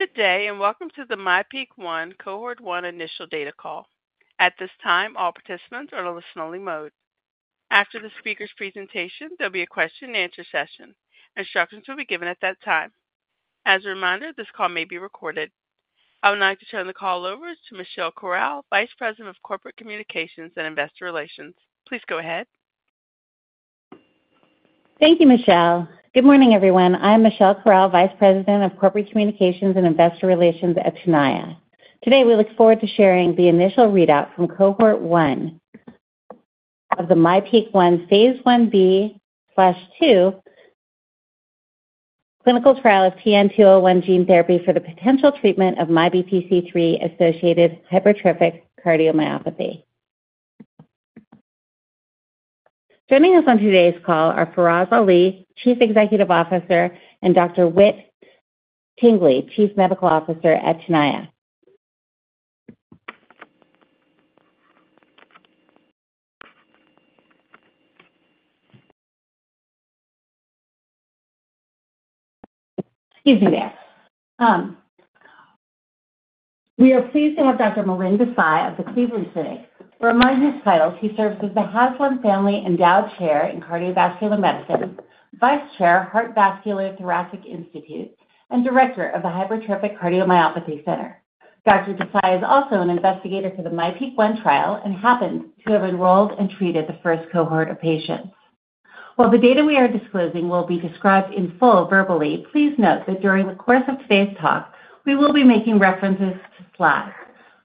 Good day, and welcome to the MyPEAK-1 Cohort One Initial Data Call. At this time, all participants are in a listen-only mode. After the speaker's presentation, there'll be a question-and-answer session. Instructions will be given at that time. As a reminder, this call may be recorded. I would like to turn the call over to Michelle Corral, Vice President of Corporate Communications and Investor Relations. Please go ahead. Thank you, Michelle. Good morning, everyone. I'm Michelle Corral, Vice President of Corporate Communications and Investor Relations at Tenaya. Today, we look forward to sharing the initial readout from Cohort One of the MyPEAK-1 phase I-B/II clinical trial of TN-201 gene therapy for the potential treatment of MYBPC3-associated hypertrophic cardiomyopathy. Joining us on today's call are Faraz Ali, Chief Executive Officer, and Dr. Whit Tingley, Chief Medical Officer at Tenaya. Excuse me there. We are pleased to have Dr. Milind Desai of the Cleveland Clinic. For his many titles, he serves as the Haslam Family Endowed Chair in Cardiovascular Medicine, Vice Chair Heart Vascular Thoracic Institute, and Director of the Hypertrophic Cardiomyopathy Center. Dr. Desai is also an investigator for the MyPEAK-1 trial and happens to have enrolled and treated the first cohort of patients. While the data we are disclosing will be described in full verbally, please note that during the course of today's talk, we will be making references to slides.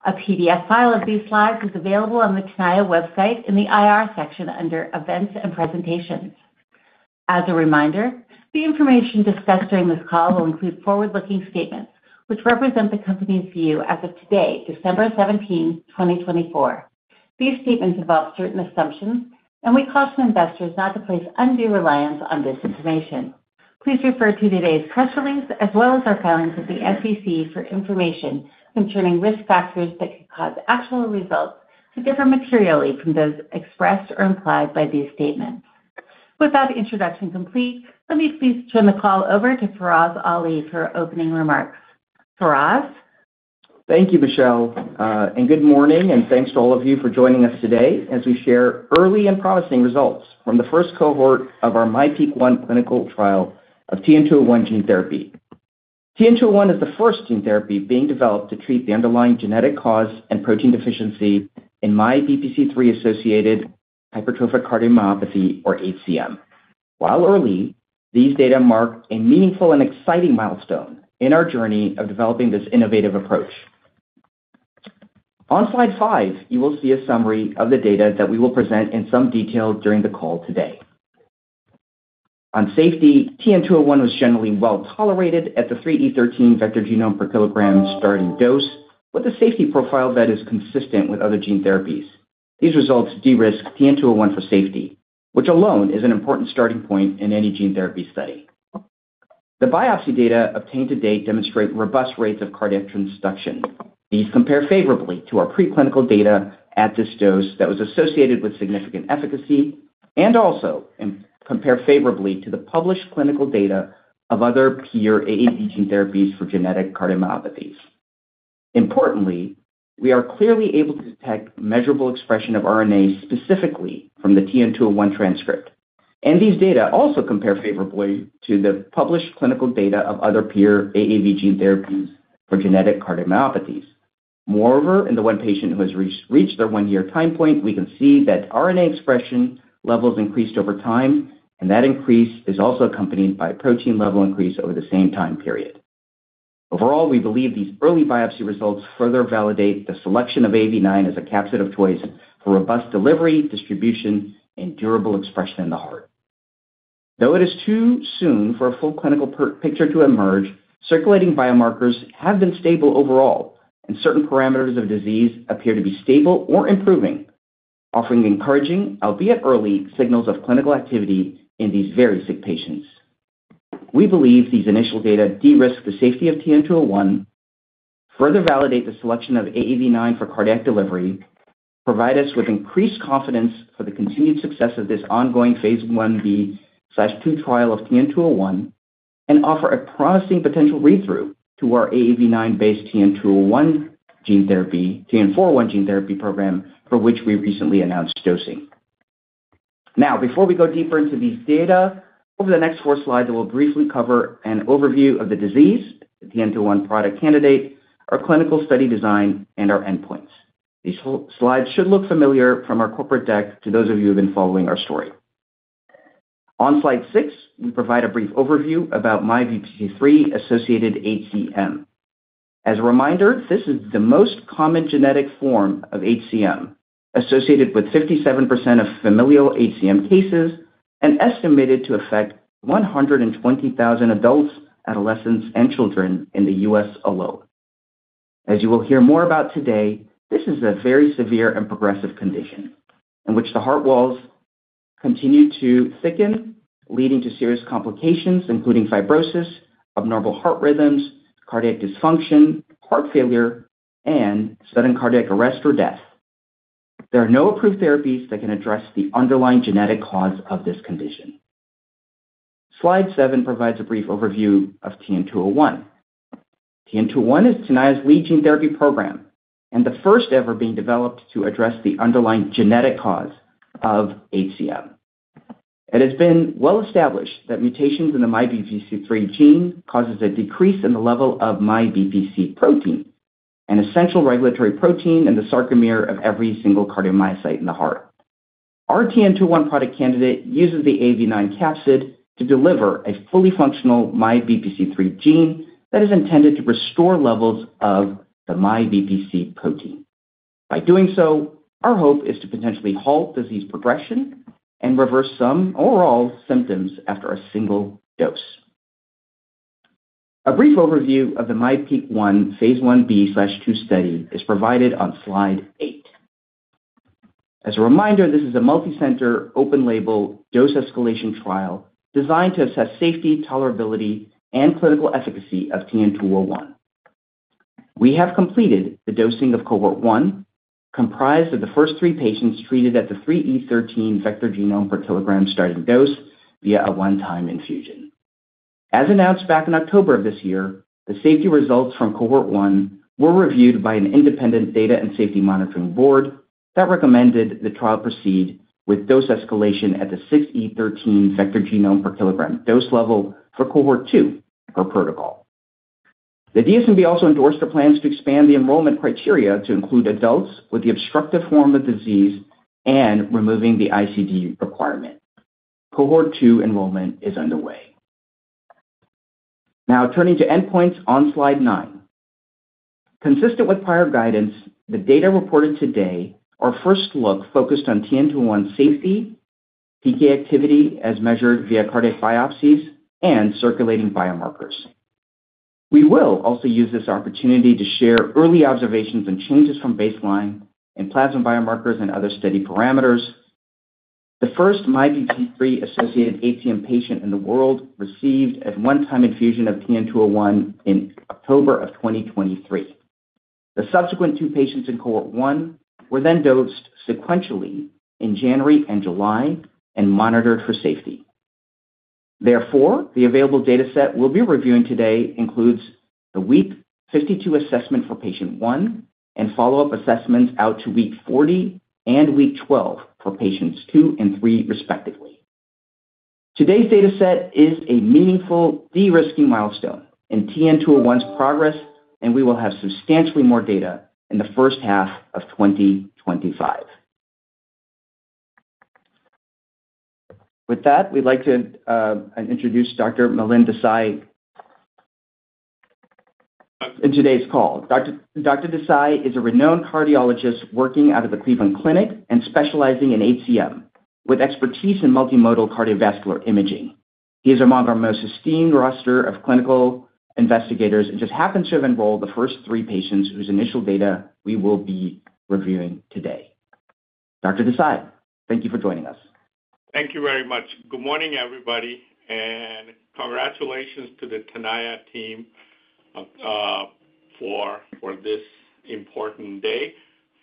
A PDF file of these slides is available on the Tenaya website in the IR section under Events and Presentations. As a reminder, the information discussed during this call will include forward-looking statements which represent the company's view as of today, December 17th, 2024. These statements involve certain assumptions, and we caution investors not to place undue reliance on this information. Please refer to today's press release as well as our filings with the SEC for information concerning risk factors that could cause actual results to differ materially from those expressed or implied by these statements. With that introduction complete, let me please turn the call over to Faraz Ali for opening remarks. Faraz. Thank you, Michelle. And good morning, and thanks to all of you for joining us today as we share early and promising results from the first cohort of our MyPEAK-1 clinical trial of TN-201 gene therapy. TN-201 is the first gene therapy being developed to treat the underlying genetic cause and protein deficiency in MYBPC3-associated hypertrophic cardiomyopathy, or HCM. While early, these data mark a meaningful and exciting milestone in our journey of developing this innovative approach. On slide five, you will see a summary of the data that we will present in some detail during the call today. On safety, TN-201 was generally well tolerated at the 3E13 vector genome per kilogram starting dose, with a safety profile that is consistent with other gene therapies. These results de-risk TN-201 for safety, which alone is an important starting point in any gene therapy study. The biopsy data obtained to date demonstrate robust rates of cardiac transduction. These compare favorably to our preclinical data at this dose that was associated with significant efficacy and also compare favorably to the published clinical data of other peer AAV gene therapies for genetic cardiomyopathies. Importantly, we are clearly able to detect measurable expression of RNA specifically from the TN-201 transcript, and these data also compare favorably to the published clinical data of other peer AAV gene therapies for genetic cardiomyopathies. Moreover, in the one patient who has reached their one-year time point, we can see that RNA expression levels increased over time, and that increase is also accompanied by a protein level increase over the same time period. Overall, we believe these early biopsy results further validate the selection of AAV9 as a capsid choice for robust delivery, distribution, and durable expression in the heart. Though it is too soon for a full clinical picture to emerge, circulating biomarkers have been stable overall, and certain parameters of disease appear to be stable or improving, offering encouraging, albeit early, signals of clinical activity in these very sick patients. We believe these initial data de-risk the safety of TN-201, further validate the selection of AAV9 for cardiac delivery, provide us with increased confidence for the continued success of this ongoing phase I-B/II trial of TN-201, and offer a promising potential read-through to our AAV9-based TN-401 gene therapy program, for which we recently announced dosing. Now, before we go deeper into these data, over the next four slides, I will briefly cover an overview of the disease, the TN-201 product candidate, our clinical study design, and our endpoints. These slides should look familiar from our corporate deck to those of you who have been following our story. On slide six, we provide a brief overview about MYBPC3-associated HCM. As a reminder, this is the most common genetic form of HCM, associated with 57% of familial HCM cases and estimated to affect 120,000 adults, adolescents, and children in the U.S. alone. As you will hear more about today, this is a very severe and progressive condition in which the heart walls continue to thicken, leading to serious complications, including fibrosis, abnormal heart rhythms, cardiac dysfunction, heart failure, and sudden cardiac arrest or death. There are no approved therapies that can address the underlying genetic cause of this condition. Slide seven provides a brief overview of TN-201. TN-201 is Tenaya's lead gene therapy program and the first ever being developed to address the underlying genetic cause of HCM. It has been well established that mutations in the MYBPC3 gene cause a decrease in the level of MyBPC protein, an essential regulatory protein in the sarcomere of every single cardiomyocyte in the heart. Our TN-201 product candidate uses the AAV9 capsid to deliver a fully functional MYBPC3 gene that is intended to restore levels of the MyBPC protein. By doing so, our hope is to potentially halt disease progression and reverse some overall symptoms after a single dose. A brief overview of the MyPEAK-1 phase I-B/II study is provided on slide eight. As a reminder, this is a multi-center open-label dose escalation trial designed to assess safety, tolerability, and clinical efficacy of TN-201. We have completed the dosing of Cohort One, comprised of the first three patients treated at the 3E13 vector genome per kilogram starting dose via a one-time infusion. As announced back in October of this year, the safety results from Cohort One were reviewed by an independent data and safety monitoring board that recommended the trial proceed with dose escalation at the 6E13 vector genome per kilogram dose level for Cohort Two per protocol. The DSMB also endorsed our plans to expand the enrollment criteria to include adults with the obstructive form of disease and removing the ICD requirement. Cohort Two enrollment is underway. Now, turning to endpoints on slide nine. Consistent with prior guidance, the data reported today are first look focused on TN-201 safety, PK activity as measured via cardiac biopsies, and circulating biomarkers. We will also use this opportunity to share early observations and changes from baseline in plasma biomarkers and other study parameters. The first MYBPC3-associated HCM patient in the world received a one-time infusion of TN-201 in October of 2023. The subsequent two patients in Cohort One were then dosed sequentially in January and July and monitored for safety. Therefore, the available dataset we'll be reviewing today includes the week 52 assessment for patient one and follow-up assessments out to week 40 and week 12 for patients two and three, respectively. Today's dataset is a meaningful de-risking milestone in TN-201's progress, and we will have substantially more data in the first half of 2025. With that, we'd like to introduce Dr. Milind Desai in today's call. Dr. Desai is a renowned cardiologist working out of the Cleveland Clinic and specializing in HCM with expertise in multimodal cardiovascular imaging. He is among our most esteemed roster of clinical investigators and just happens to have enrolled the first three patients whose initial data we will be reviewing today. Dr. Desai, thank you for joining us. Thank you very much. Good morning, everybody, and congratulations to the Tenaya team for this important day.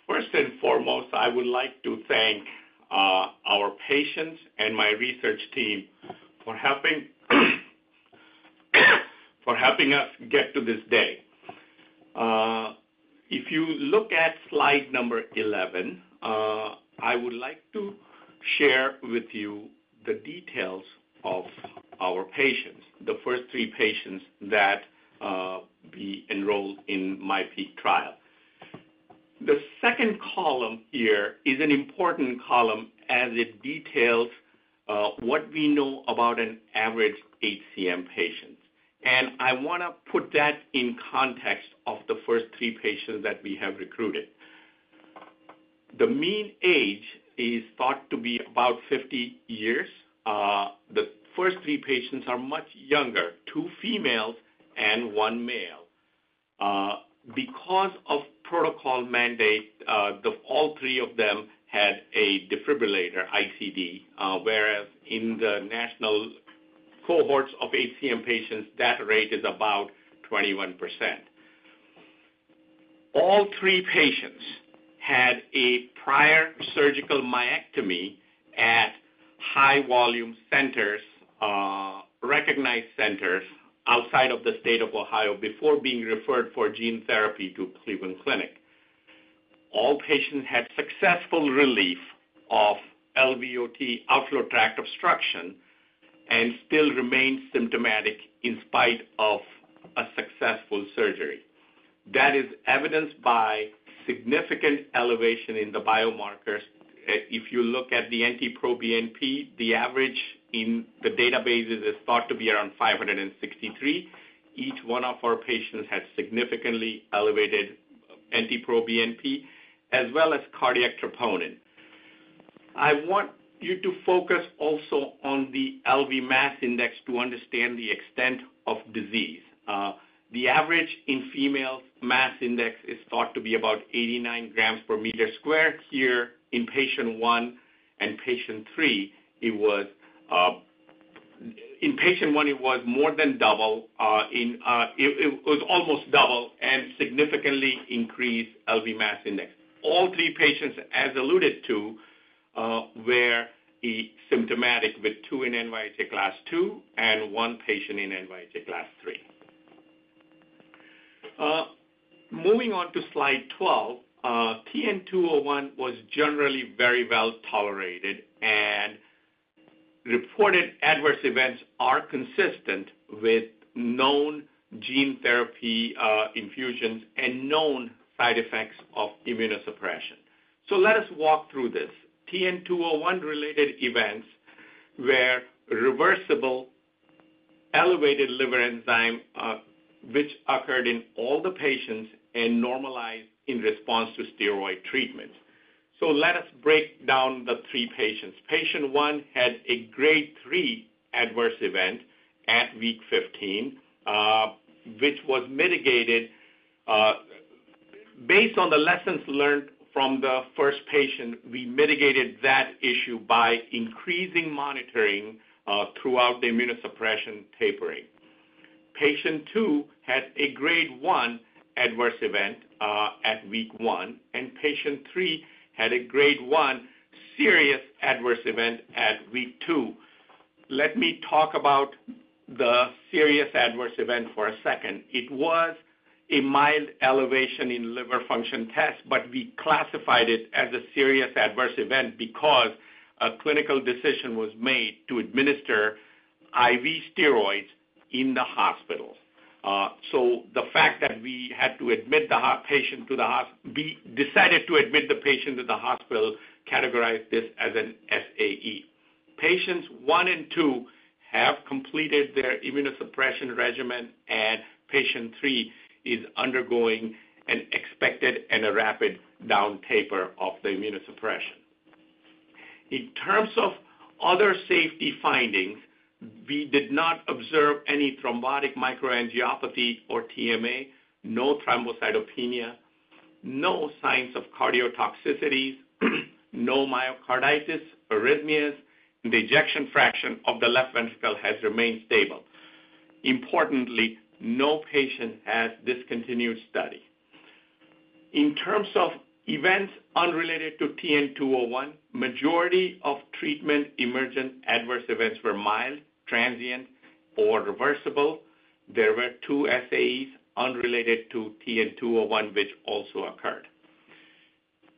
First and foremost, I would like to thank our patients and my research team for helping us get to this day. If you look at slide number 11, I would like to share with you the details of our patients, the first three patients that we enrolled in MyPEAK trial. The second column here is an important column as it details what we know about an average HCM patient, and I want to put that in context of the first three patients that we have recruited. The mean age is thought to be about 50 years. The first three patients are much younger, two females and one male. Because of protocol mandate, all three of them had a defibrillator, ICD, whereas in the national cohorts of HCM patients, that rate is about 21%. All three patients had a prior surgical myectomy at high-volume recognized centers outside of the state of Ohio before being referred for gene therapy to Cleveland Clinic. All patients had successful relief of LVOT outflow tract obstruction and still remained symptomatic in spite of a successful surgery. That is evidenced by significant elevation in the biomarkers. If you look at the NT-proBNP, the average in the databases is thought to be around 563. Each one of our patients had significantly elevated NT-proBNP as well as cardiac troponin. I want you to focus also on the LV mass index to understand the extent of disease. The average in female mass index is thought to be about 89 grams per meter squared. Here in patient one and patient three, it was in patient one, it was more than double. It was almost double and significantly increased LV mass index. All three patients, as alluded to, were symptomatic with two in NYHA class two and one patient in NYHA class three. Moving on to slide 12, TN-201 was generally very well tolerated, and reported adverse events are consistent with known gene therapy infusions and known side effects of immunosuppression. So let us walk through this. TN-201-related events were reversible elevated liver enzyme, which occurred in all the patients and normalized in response to steroid treatments. So let us break down the three patients. Patient one had a grade three adverse event at week 15, which was mitigated. Based on the lessons learned from the first patient, we mitigated that issue by increasing monitoring throughout the immunosuppression tapering. Patient two had a grade one adverse event at week one, and patient three had a grade one serious adverse event at week two. Let me talk about the serious adverse event for a second. It was a mild elevation in liver function tests, but we classified it as a serious adverse event because a clinical decision was made to administer IV steroids in the hospital. So the fact that we had to admit the patient to the hospital, we decided to admit the patient to the hospital, categorized this as an SAE. Patients one and two have completed their immunosuppression regimen, and patient three is undergoing an expected and a rapid down taper of the immunosuppression. In terms of other safety findings, we did not observe any thrombotic microangiopathy or TMA, no thrombocytopenia, no signs of cardiotoxicities, no myocarditis, arrhythmias, and the ejection fraction of the left ventricle has remained stable. Importantly, no patient has discontinued study. In terms of events unrelated to TN-201, the majority of treatment emergent adverse events were mild, transient, or reversible. There were two SAEs unrelated to TN-201, which also occurred.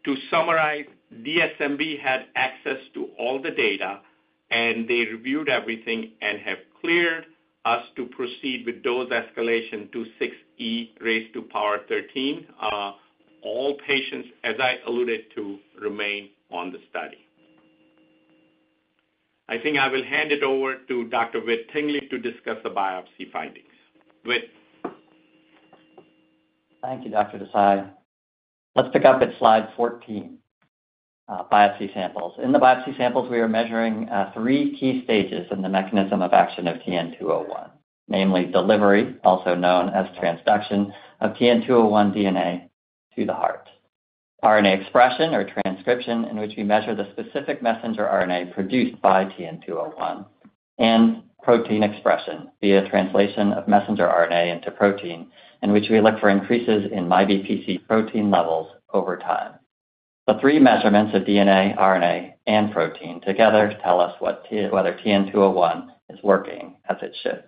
To summarize, DSMB had access to all the data, and they reviewed everything and have cleared us to proceed with dose escalation to 6E raised to the power of 13. All patients, as I alluded to, remain on the study. I think I will hand it over to Dr. Whit Tingley to discuss the biopsy findings. Whit. Thank you, Dr. Desai. Let's pick up at slide 14, biopsy samples. In the biopsy samples, we are measuring three key stages in the mechanism of action of TN-201, namely delivery, also known as transduction of TN-201 DNA to the heart, RNA expression or transcription, in which we measure the specific messenger RNA produced by TN-201, and protein expression via translation of messenger RNA into protein, in which we look for increases in MyBPC protein levels over time. The three measurements of DNA, RNA, and protein together tell us whether TN-201 is working as it should.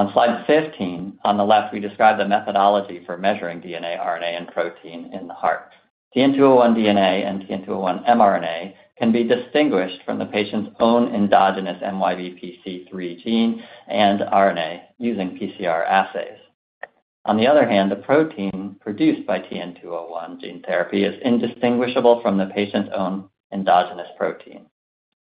On slide 15, on the left, we describe the methodology for measuring DNA, RNA, and protein in the heart. TN-201 DNA and TN-201 mRNA can be distinguished from the patient's own endogenous MYBPC3 gene and RNA using PCR assays. On the other hand, the protein produced by TN-201 gene therapy is indistinguishable from the patient's own endogenous protein.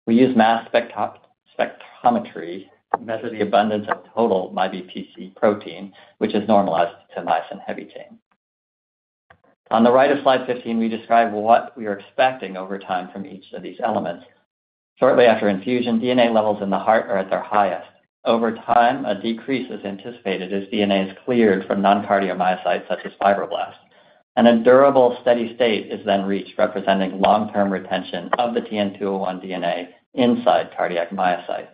We use mass spectrometry to measure the abundance of total MyBPC protein, which is normalized to myosin heavy chain. On the right of slide 15, we describe what we are expecting over time from each of these elements. Shortly after infusion, DNA levels in the heart are at their highest. Over time, a decrease is anticipated as DNA is cleared from non-cardiomyocytes such as fibroblasts, and a durable steady state is then reached, representing long-term retention of the TN-201 DNA inside cardiac myocytes.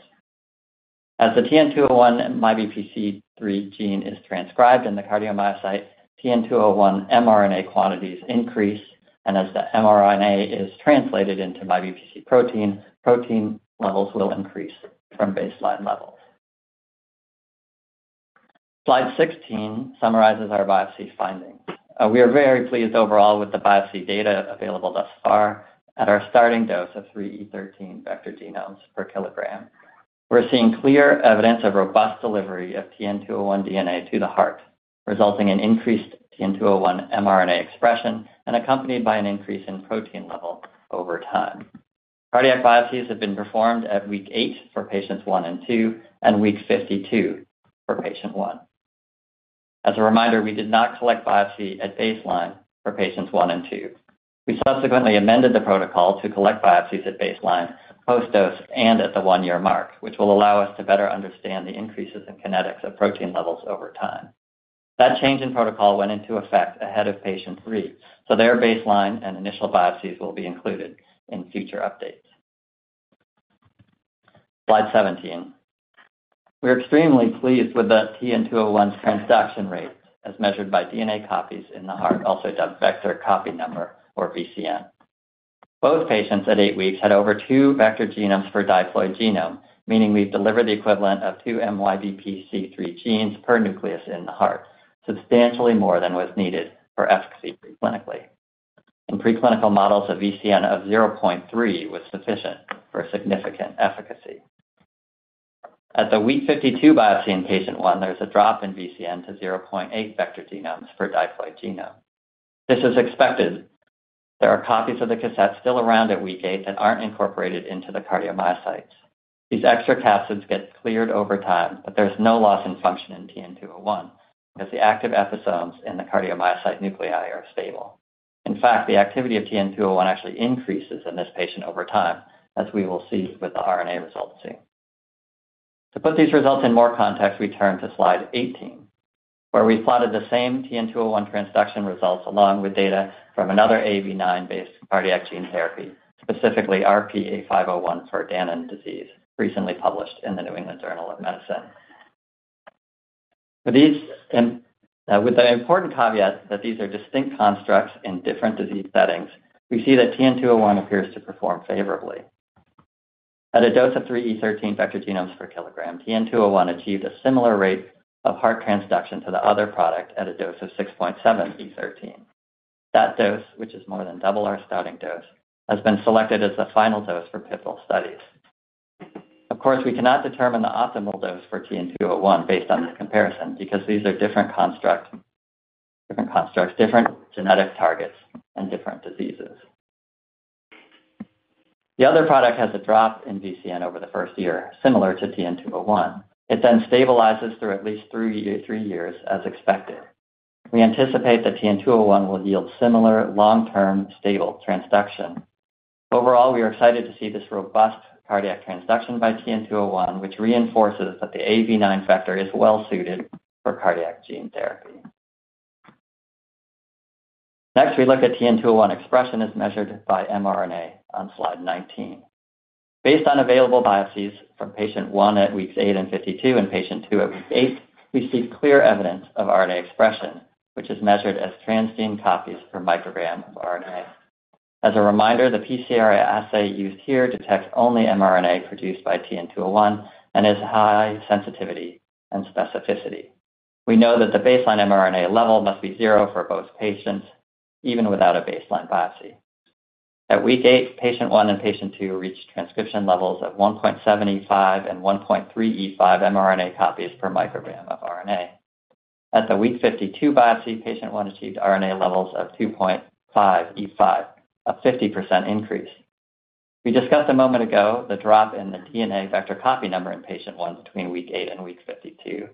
As the TN-201 MYBPC3 gene is transcribed in the cardiomyocyte, TN-201 mRNA quantities increase, and as the mRNA is translated into MyBPC protein, protein levels will increase from baseline levels. Slide 16 summarizes our biopsy findings. We are very pleased overall with the biopsy data available thus far at our starting dose of 3E13 vector genomes per kilogram. We're seeing clear evidence of robust delivery of TN-201 DNA to the heart, resulting in increased TN-201 mRNA expression and accompanied by an increase in protein level over time. Cardiac biopsies have been performed at week eight for patients one and two, and week 52 for patient one. As a reminder, we did not collect biopsy at baseline for patients one and two. We subsequently amended the protocol to collect biopsies at baseline, post-dose, and at the one-year mark, which will allow us to better understand the increases in kinetics of protein levels over time. That change in protocol went into effect ahead of patient three, so their baseline and initial biopsies will be included in future updates. Slide 17. We're extremely pleased with the TN-201 transduction rate as measured by DNA copies in the heart, also dubbed vector copy number or VCN. Both patients at eight weeks had over two vector genomes per diploid genome, meaning we've delivered the equivalent of two MYBPC3 genes per nucleus in the heart, substantially more than was needed for efficacy preclinically. In preclinical models, a VCN of 0.3 was sufficient for significant efficacy. At the week 52 biopsy in patient one, there's a drop in VCN to 0.8 vector genomes per diploid genome. This is expected. There are copies of the cassette still around at week eight that aren't incorporated into the cardiomyocytes. These extra capsids get cleared over time, but there's no loss in function in TN-201 because the active episomes in the cardiomyocyte nuclei are stable. In fact, the activity of TN-201 actually increases in this patient over time, as we will see with the RNA results soon. To put these results in more context, we turn to slide 18, where we plotted the same TN-201 transduction results along with data from another AAV9-based cardiac gene therapy, specifically RP-A501 for Danon disease, recently published in the New England Journal of Medicine. With the important caveat that these are distinct constructs in different disease settings, we see that TN-201 appears to perform favorably. At a dose of 3E13 vector genomes per kilogram, TN-201 achieved a similar rate of heart transduction to the other product at a dose of 6.7 E13. That dose, which is more than double our starting dose, has been selected as the final dose for pivotal studies. Of course, we cannot determine the optimal dose for TN-201 based on this comparison because these are different constructs, different genetic targets, and different diseases. The other product has a drop in VCN over the first year, similar to TN-201. It then stabilizes through at least three years, as expected. We anticipate that TN-201 will yield similar long-term stable transduction. Overall, we are excited to see this robust cardiac transduction by TN-201, which reinforces that the AAV9 factor is well-suited for cardiac gene therapy. Next, we look at TN-201 expression as measured by mRNA on slide 19. Based on available biopsies from patient one at weeks eight and 52 and patient two at week eight, we see clear evidence of RNA expression, which is measured as transgene copies per microgram of RNA. As a reminder, the PCR assay used here detects only mRNA produced by TN-201 and is high sensitivity and specificity. We know that the baseline mRNA level must be zero for both patients, even without a baseline biopsy. At week eight, patient one and patient two reached transcription levels of 1.7E5 and 1.3E5 mRNA copies per microgram of RNA. At the week 52 biopsy, patient one achieved RNA levels of 2.5E5, a 50% increase. We discussed a moment ago the drop in the DNA vector copy number in patient one between week eight and week 52.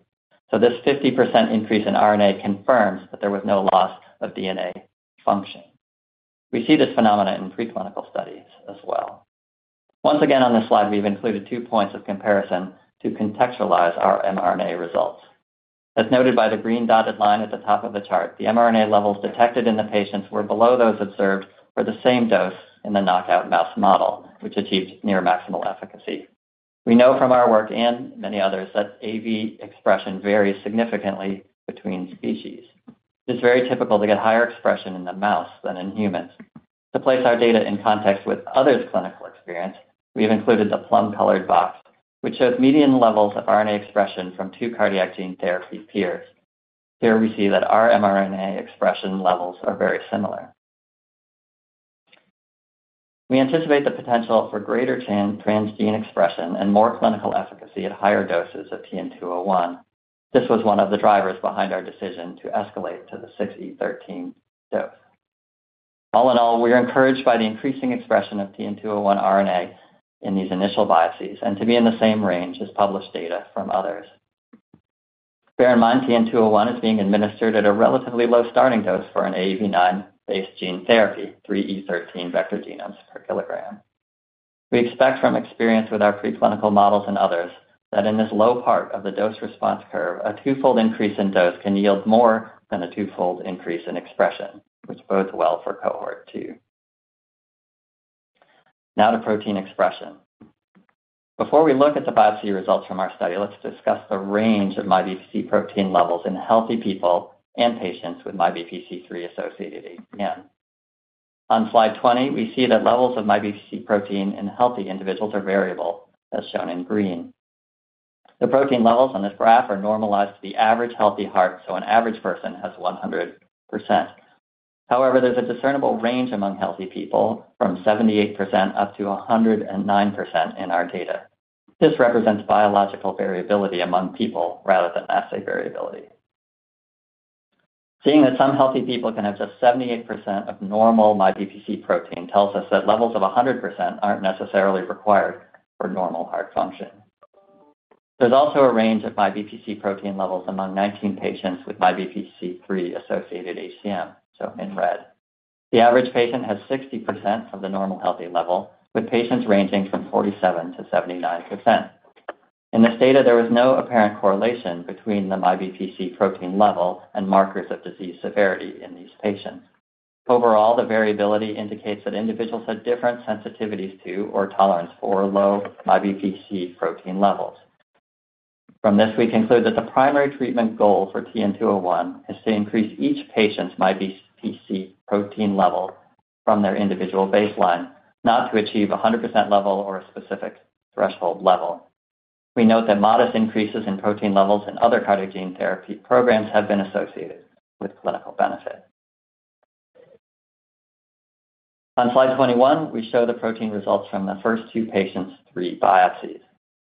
So this 50% increase in RNA confirms that there was no loss of DNA function. We see this phenomenon in preclinical studies as well. Once again, on this slide, we've included two points of comparison to contextualize our mRNA results. As noted by the green dotted line at the top of the chart, the mRNA levels detected in the patients were below those observed for the same dose in the knockout mouse model, which achieved near maximal efficacy. We know from our work and many others that AAV expression varies significantly between species. It is very typical to get higher expression in the mouse than in humans. To place our data in context with others' clinical experience, we have included the plum-colored box, which shows median levels of RNA expression from two cardiac gene therapy peers. Here we see that our mRNA expression levels are very similar. We anticipate the potential for greater transgene expression and more clinical efficacy at higher doses of TN-201. This was one of the drivers behind our decision to escalate to the 6E13 dose. All in all, we are encouraged by the increasing expression of TN-201 RNA in these initial biopsies and to be in the same range as published data from others. Bear in mind, TN-201 is being administered at a relatively low starting dose for an AAV9-based gene therapy, 3E13 vector genomes per kilogram. We expect from experience with our preclinical models and others that in this low part of the dose response curve, a twofold increase in dose can yield more than a twofold increase in expression, which bodes well for cohort two. Now to protein expression. Before we look at the biopsy results from our study, let's discuss the range of MyBPC protein levels in healthy people and patients with MYBPC3-associated HCM. On slide 20, we see that levels of MyBPC protein in healthy individuals are variable, as shown in green. The protein levels on this graph are normalized to the average healthy heart, so an average person has 100%. However, there's a discernible range among healthy people from 78%-109% in our data. This represents biological variability among people rather than assay variability. Seeing that some healthy people can have just 78% of normal MyBPC protein tells us that levels of 100% aren't necessarily required for normal heart function. There's also a range of MyBPC protein levels among 19 patients with MYBPC3-associated HCM, so in red. The average patient has 60% of the normal healthy level, with patients ranging from 47%-79%. In this data, there was no apparent correlation between the MyBPC protein level and markers of disease severity in these patients. Overall, the variability indicates that individuals had different sensitivities to or tolerance for low MyBPC protein levels. From this, we conclude that the primary treatment goal for TN-201 is to increase each patient's MyBPC protein level from their individual baseline, not to achieve 100% level or a specific threshold level. We note that modest increases in protein levels in other cardiac gene therapy programs have been associated with clinical benefit. On slide 21, we show the protein results from the first two patients' three biopsies.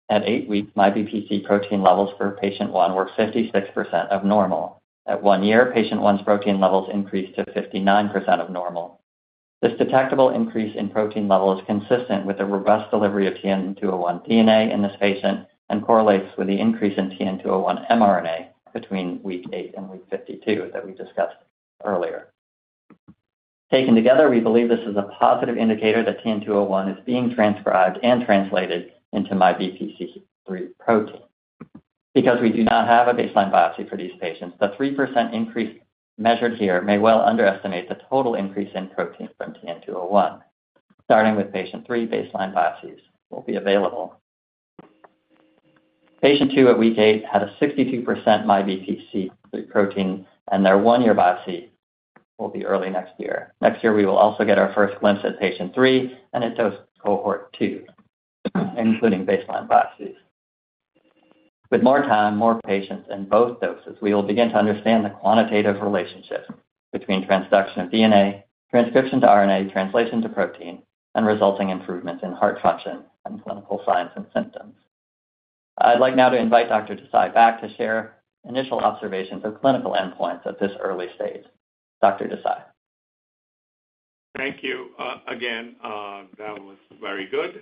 At eight weeks, MyBPC protein levels for patient one were 56% of normal. At one year, patient one's protein levels increased to 59% of normal. This detectable increase in protein level is consistent with the robust delivery of TN-201 DNA in this patient and correlates with the increase in TN-201 mRNA between week eight and week 52 that we discussed earlier. Taken together, we believe this is a positive indicator that TN-201 is being transcribed and translated into MyBPC protein. Because we do not have a baseline biopsy for these patients, the 3% increase measured here may well underestimate the total increase in protein from TN-201. Starting with patient three, baseline biopsies will be available. Patient two at week eight had a 62% MyBPC3 protein, and their one-year biopsy will be early next year. Next year, we will also get our first glimpse at patient three and its dose cohort two, including baseline biopsies. With more time, more patients, and both doses, we will begin to understand the quantitative relationships between transduction of DNA, transcription to RNA, translation to protein, and resulting improvements in heart function and clinical signs and symptoms. I'd like now to invite Dr. Desai back to share initial observations of clinical endpoints at this early stage. Dr. Desai. Thank you again. That was very good,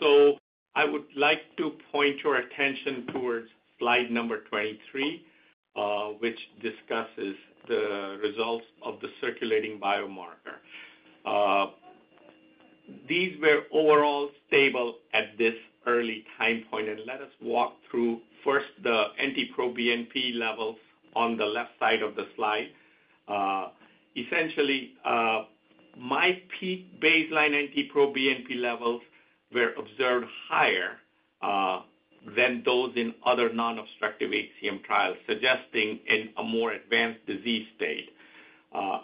so I would like to point your attention towards slide number 23, which discusses the results of the circulating biomarker. These were overall stable at this early time point, and let us walk through first the NT-proBNP levels on the left side of the slide. Essentially, MyPEAK baseline NT-proBNP levels were observed higher than those in other non-obstructive HCM trials, suggesting a more advanced disease state,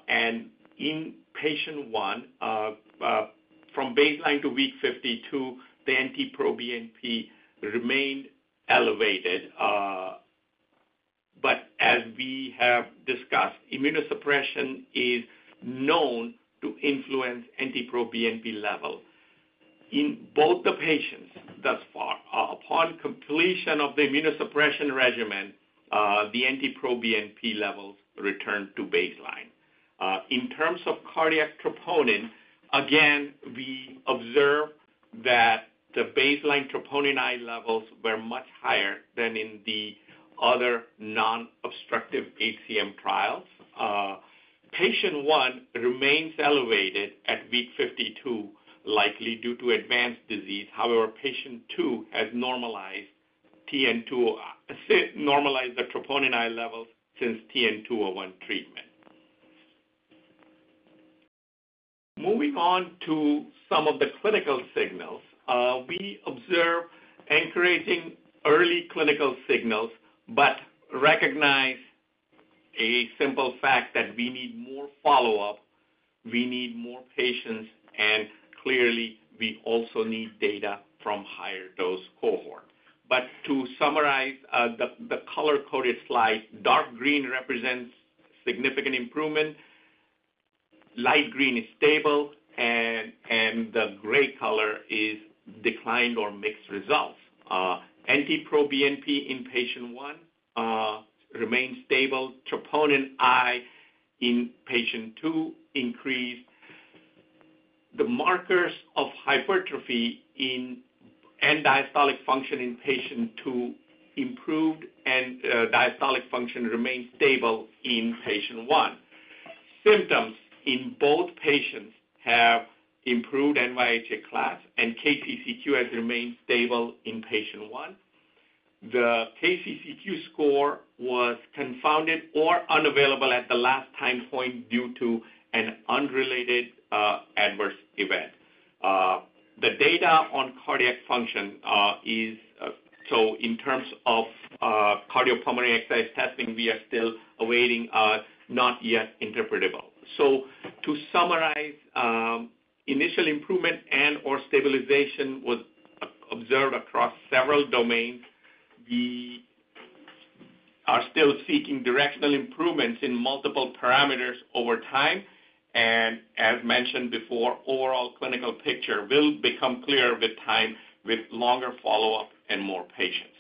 and in patient one, from baseline to week 52, the NT-proBNP remained elevated, but as we have discussed, immunosuppression is known to influence NT-proBNP level. In both the patients thus far, upon completion of the immunosuppression regimen, the NT-proBNP levels returned to baseline. In terms of cardiac troponin, again, we observed that the baseline troponin I levels were much higher than in the other non-obstructive HCM trials. Patient one remains elevated at week 52, likely due to advanced disease. However, Patient two has normalized the Troponin I levels since TN-201 treatment. Moving on to some of the clinical signals, we observe encouraging early clinical signals, but recognize a simple fact that we need more follow-up. We need more patients, and clearly, we also need data from higher dose cohort. But to summarize the color-coded slide, dark green represents significant improvement, light green is stable, and the gray color is declined or mixed results. NT-proBNP in patient one remains stable. Troponin I in patient two increased. The markers of hypertrophy and diastolic function in patient two improved, and diastolic function remained stable in patient one. Symptoms in both patients have improved NYHA Class, and KCCQ has remained stable in patient one. The KCCQ score was confounded or unavailable at the last time point due to an unrelated adverse event. The data on cardiac function is so in terms of cardiopulmonary exercise testing, we are still awaiting, not yet interpretable, so to summarize, initial improvement and/or stabilization was observed across several domains. We are still seeking directional improvements in multiple parameters over time, and as mentioned before, overall clinical picture will become clearer with time, with longer follow-up and more patients.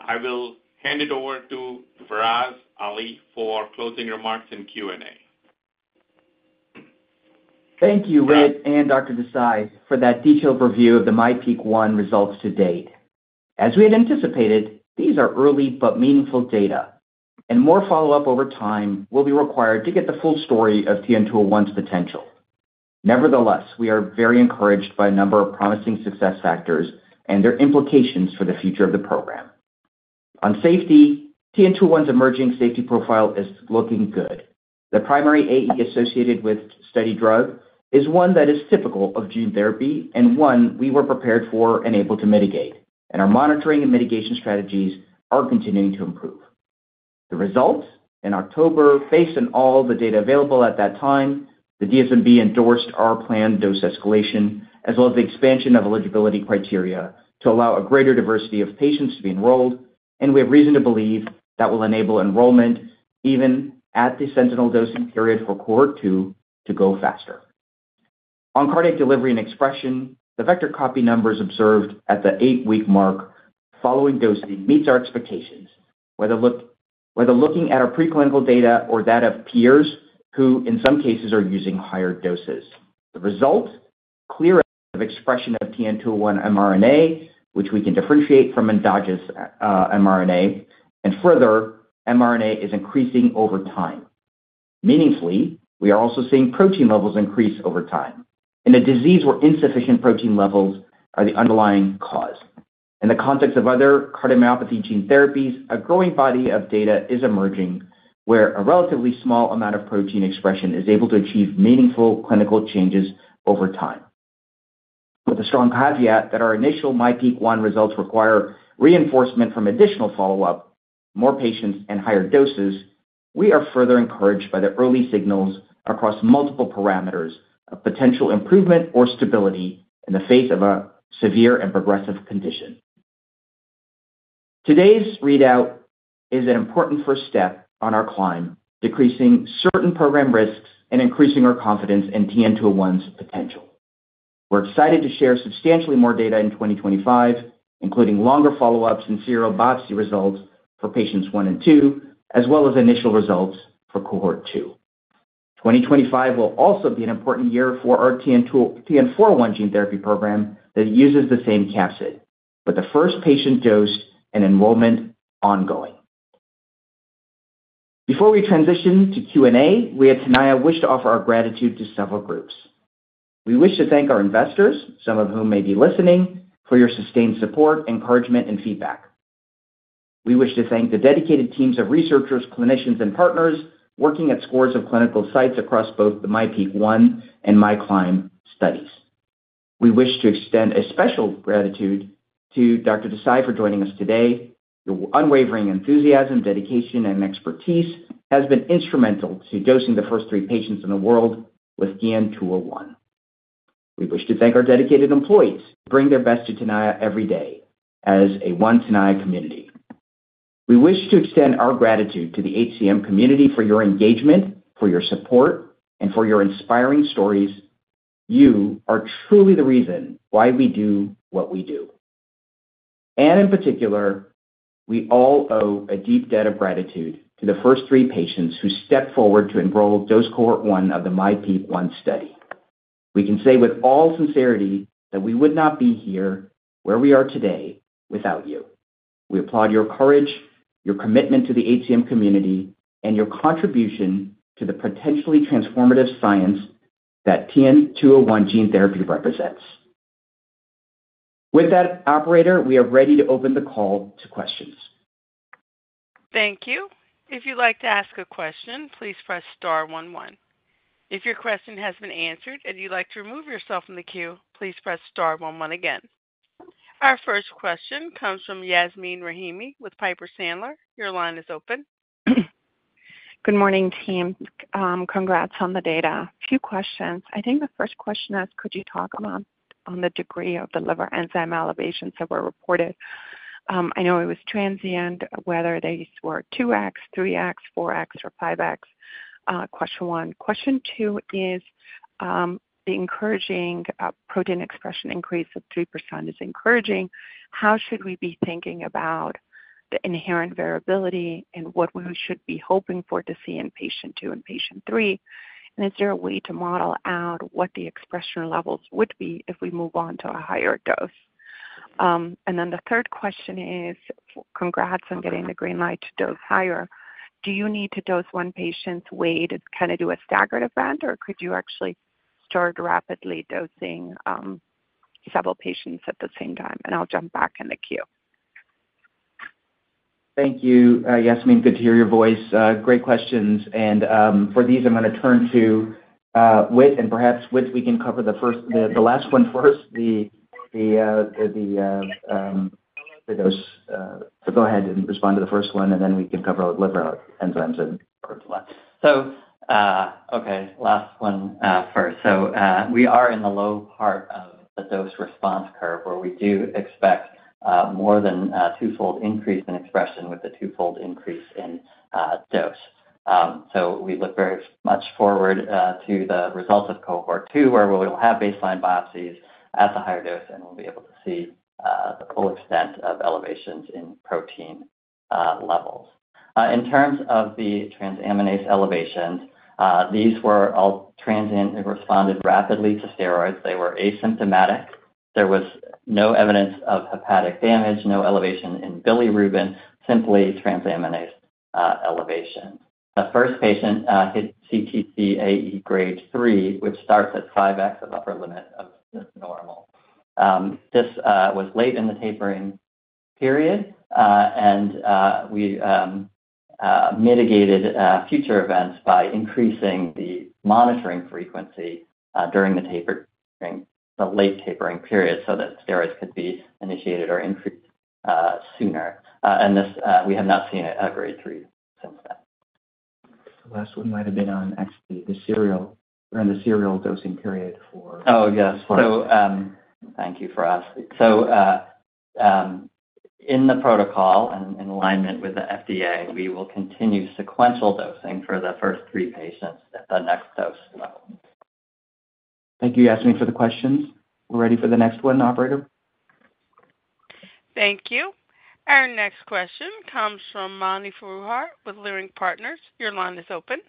I will hand it over to Faraz Ali for closing remarks and Q&A. Thank you, Whit and Dr. Desai, for that detailed review of the MyPEAK-1 results to date. As we had anticipated, these are early but meaningful data, and more follow-up over time will be required to get the full story of TN-201's potential. Nevertheless, we are very encouraged by a number of promising success factors and their implications for the future of the program. On safety, TN-201's emerging safety profile is looking good. The primary AE associated with study drug is one that is typical of gene therapy and one we were prepared for and able to mitigate. And our monitoring and mitigation strategies are continuing to improve. The results in October, based on all the data available at that time, the DSMB endorsed our planned dose escalation, as well as the expansion of eligibility criteria to allow a greater diversity of patients to be enrolled. We have reason to believe that will enable enrollment, even at the sentinel dosing period for cohort two, to go faster. On cardiac delivery and expression, the vector copy numbers observed at the eight-week mark following dosing meet our expectations, whether looking at our preclinical data or that of peers who in some cases are using higher doses. The result: clear expression of TN-201 mRNA, which we can differentiate from endogenous mRNA. Further, mRNA is increasing over time. Meaningfully, we are also seeing protein levels increase over time in a disease where insufficient protein levels are the underlying cause. In the context of other cardiomyopathy gene therapies, a growing body of data is emerging where a relatively small amount of protein expression is able to achieve meaningful clinical changes over time. With a strong caveat that our initial MyPEAK-1 results require reinforcement from additional follow-up, more patients, and higher doses, we are further encouraged by the early signals across multiple parameters of potential improvement or stability in the face of a severe and progressive condition. Today's readout is an important first step on our climb, decreasing certain program risks and increasing our confidence in TN-201's potential. We're excited to share substantially more data in 2025, including longer follow-ups and serial biopsy results for patients one and two, as well as initial results for cohort two. 2025 will also be an important year for our TN-401 gene therapy program that uses the same capsid, with the first patient dosed and enrollment ongoing. Before we transition to Q&A, we at Tenaya wish to offer our gratitude to several groups. We wish to thank our investors, some of whom may be listening, for your sustained support, encouragement, and feedback. We wish to thank the dedicated teams of researchers, clinicians, and partners working at scores of clinical sites across both the MyPEAK-1 and MyCLIMB studies. We wish to extend a special gratitude to Dr. Desai for joining us today. Your unwavering enthusiasm, dedication, and expertise have been instrumental to dosing the first three patients in the world with TN-201. We wish to thank our dedicated employees who bring their best to Tenaya every day as a One Tenaya community. We wish to extend our gratitude to the HCM community for your engagement, for your support, and for your inspiring stories. You are truly the reason why we do what we do. In particular, we all owe a deep debt of gratitude to the first three patients who stepped forward to enroll dose cohort one of the MyPEAK-1 study. We can say with all sincerity that we would not be here where we are today without you. We applaud your courage, your commitment to the HCM community, and your contribution to the potentially transformative science that TN-201 gene therapy represents. With that, Operator, we are ready to open the call to questions. Thank you. If you'd like to ask a question, please press star 11. If your question has been answered and you'd like to remove yourself from the queue, please press star 11 again. Our first question comes from Yasmeen Rahimi with Piper Sandler. Your line is open. Good morning, team. Congrats on the data. A few questions. I think the first question is, could you talk on the degree of the liver enzyme elevations that were reported? I know it was transient whether these were 2x, 3x, 4x, or 5x. Question one. Question two is, the encouraging protein expression increase of 3% is encouraging. How should we be thinking about the inherent variability and what we should be hoping for to see in patient two and patient three? And is there a way to model out what the expression levels would be if we move on to a higher dose? And then the third question is, congrats on getting the green light to dose higher. Do you need to dose one patient's weight? Is it going to do a staggered event, or could you actually start rapidly dosing several patients at the same time? And I'll jump back in the queue. Thank you, Yasmeen. Good to hear your voice. Great questions. And for these, I'm going to turn to Whit. And perhaps Whit, we can cover the last one first, the dose. So go ahead and respond to the first one, and then we can cover liver enzymes and. Okay, last one first. We are in the low part of the dose response curve where we do expect more than a twofold increase in expression with a twofold increase in dose. We look very much forward to the results of cohort two, where we'll have baseline biopsies at the higher dose, and we'll be able to see the full extent of elevations in protein levels. In terms of the transaminase elevations, these were all transient. They responded rapidly to steroids. They were asymptomatic. There was no evidence of hepatic damage, no elevation in bilirubin, simply transaminase elevations. The first patient hit CTCAE grade three, which starts at five times the upper limit of normal. This was late in the tapering period, and we mitigated future events by increasing the monitoring frequency during the late tapering period so that steroids could be initiated or increased sooner. We have not seen a grade 3 since then. The last one might have been on actually the serial or in the serial dosing period for. Oh, yes. So. Thank you, Faraz. So in the protocol and in alignment with the FDA, we will continue sequential dosing for the first three patients at the next dose level. Thank you, Yasmeen, for the questions. We're ready for the next one, Operator. Thank you. Our next question comes from Mani Foroohar with Leerink Partners. Your line is open.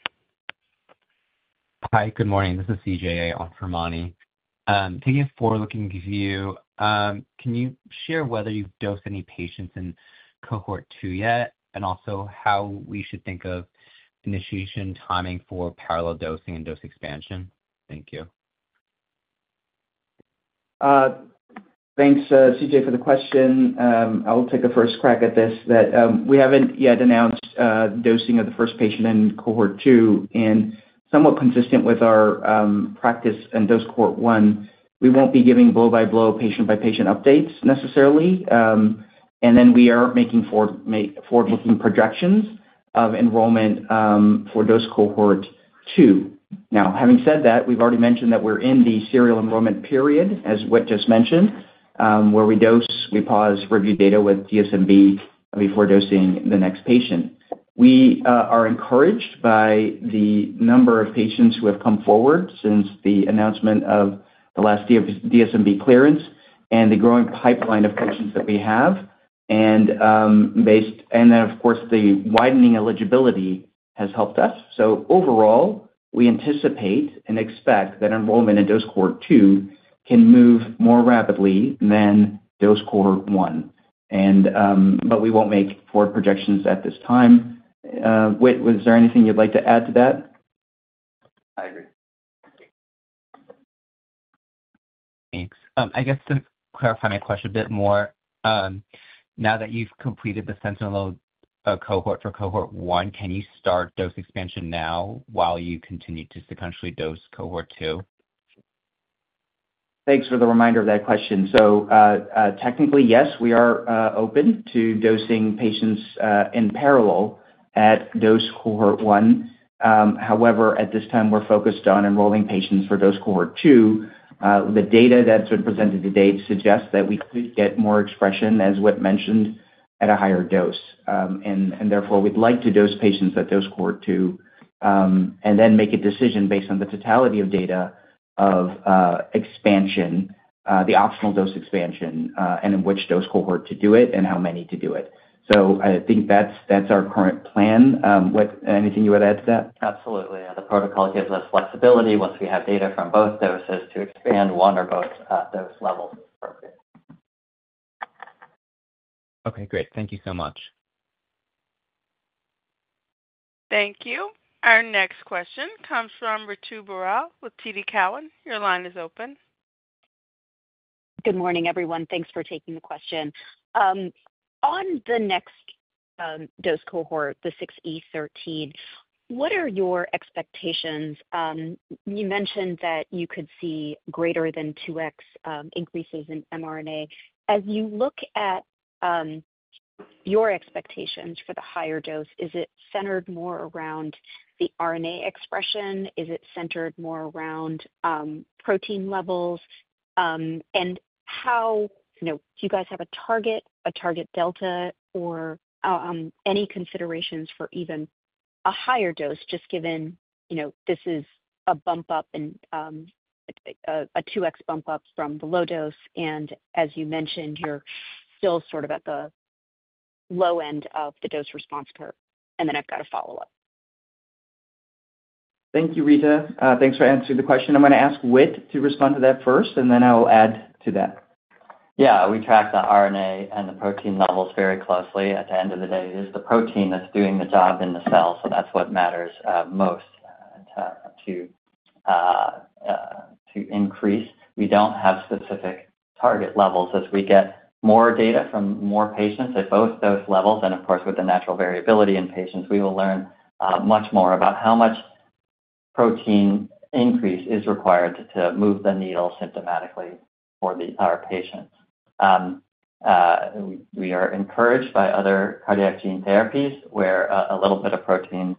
Hi, good morning. This is CJ on for Mani. Taking a forward-looking view, can you share whether you've dosed any patients in cohort two yet, and also how we should think of initiation timing for parallel dosing and dose expansion? Thank you. Thanks, CJ, for the question. I'll take a first crack at this. We haven't yet announced dosing of the first patient in cohort two, and somewhat consistent with our practice in dose cohort one, we won't be giving blow-by-blow, patient-by-patient updates necessarily, and then we are making forward-looking projections of enrollment for dose cohort two. Now, having said that, we've already mentioned that we're in the serial enrollment period, as Whit just mentioned, where we dose, we pause, review data with DSMB before dosing the next patient. We are encouraged by the number of patients who have come forward since the announcement of the last DSMB clearance and the growing pipeline of patients that we have, and then, of course, the widening eligibility has helped us, so overall, we anticipate and expect that enrollment in dose cohort two can move more rapidly than dose cohort one. But we won't make forward projections at this time. Whit, is there anything you'd like to add to that? I agree. Thanks. I guess to clarify my question a bit more, now that you've completed the sentinel cohort for cohort one, can you start dose expansion now while you continue to sequentially dose cohort two? Thanks for the reminder of that question. So technically, yes, we are open to dosing patients in parallel at dose cohort one. However, at this time, we're focused on enrolling patients for dose cohort two. The data that's been presented to date suggests that we could get more expression, as Whit mentioned, at a higher dose. And therefore, we'd like to dose patients at dose cohort two and then make a decision based on the totality of data of expansion, the optional dose expansion, and in which dose cohort to do it and how many to do it. So I think that's our current plan. Whit, anything you would add to that? Absolutely. The protocol gives us flexibility once we have data from both doses to expand one or both dose levels appropriately. Okay, great. Thank you so much. Thank you. Our next question comes from Ritu Baral with TD Cowen. Your line is open. Good morning, everyone. Thanks for taking the question. On the next dose cohort, the 6E13, what are your expectations? You mentioned that you could see greater than 2x increases in mRNA. As you look at your expectations for the higher dose, is it centered more around the RNA expression? Is it centered more around protein levels? And do you guys have a target, a target delta, or any considerations for even a higher dose, just given this is a bump up and a 2x bump up from the low dose? And as you mentioned, you're still sort of at the low end of the dose response curve. And then I've got a follow-up. Thank you, Ritu. Thanks for answering the question. I'm going to ask Whit to respond to that first, and then I'll add to that. Yeah, we track the RNA and the protein levels very closely. At the end of the day, it is the protein that's doing the job in the cell. So that's what matters most to increase. We don't have specific target levels. As we get more data from more patients at both dose levels and, of course, with the natural variability in patients, we will learn much more about how much protein increase is required to move the needle symptomatically for our patients. We are encouraged by other cardiac gene therapies where a little bit of protein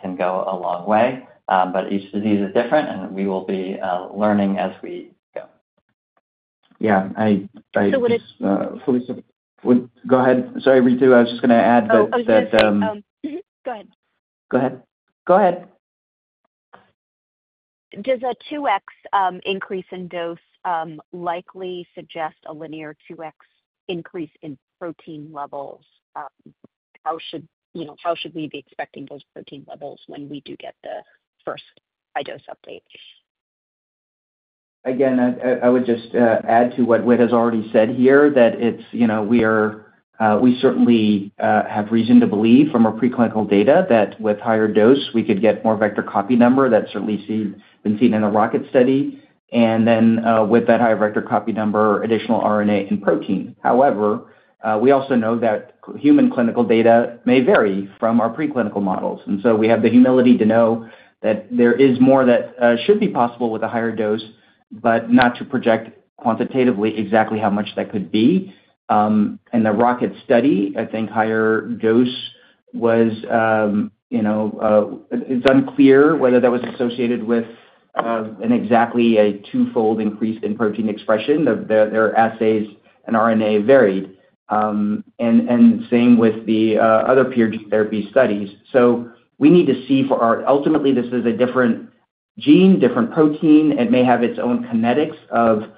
can go a long way. But each disease is different, and we will be learning as we go. Yeah. So Whitt. Go ahead. Sorry, Ritu. I was just going to add that. Oh, I was going to say, go ahead. Go ahead. Go ahead. Does a 2x increase in dose likely suggest a linear 2x increase in protein levels? How should we be expecting those protein levels when we do get the first high-dose update? Again, I would just add to what Whit has already said here, that we certainly have reason to believe from our preclinical data that with higher dose, we could get more vector copy number. That's certainly been seen in the Rocket study. And then with that higher vector copy number, additional RNA and protein. However, we also know that human clinical data may vary from our preclinical models. And so we have the humility to know that there is more that should be possible with a higher dose, but not to project quantitatively exactly how much that could be. In the Rocket study, I think higher dose was. It's unclear whether that was associated with exactly a twofold increase in protein expression. Their assays and RNA varied. And same with the other peer gene therapy studies. So we need to see for ours ultimately, this is a different gene, different protein. It may have its own kinetics of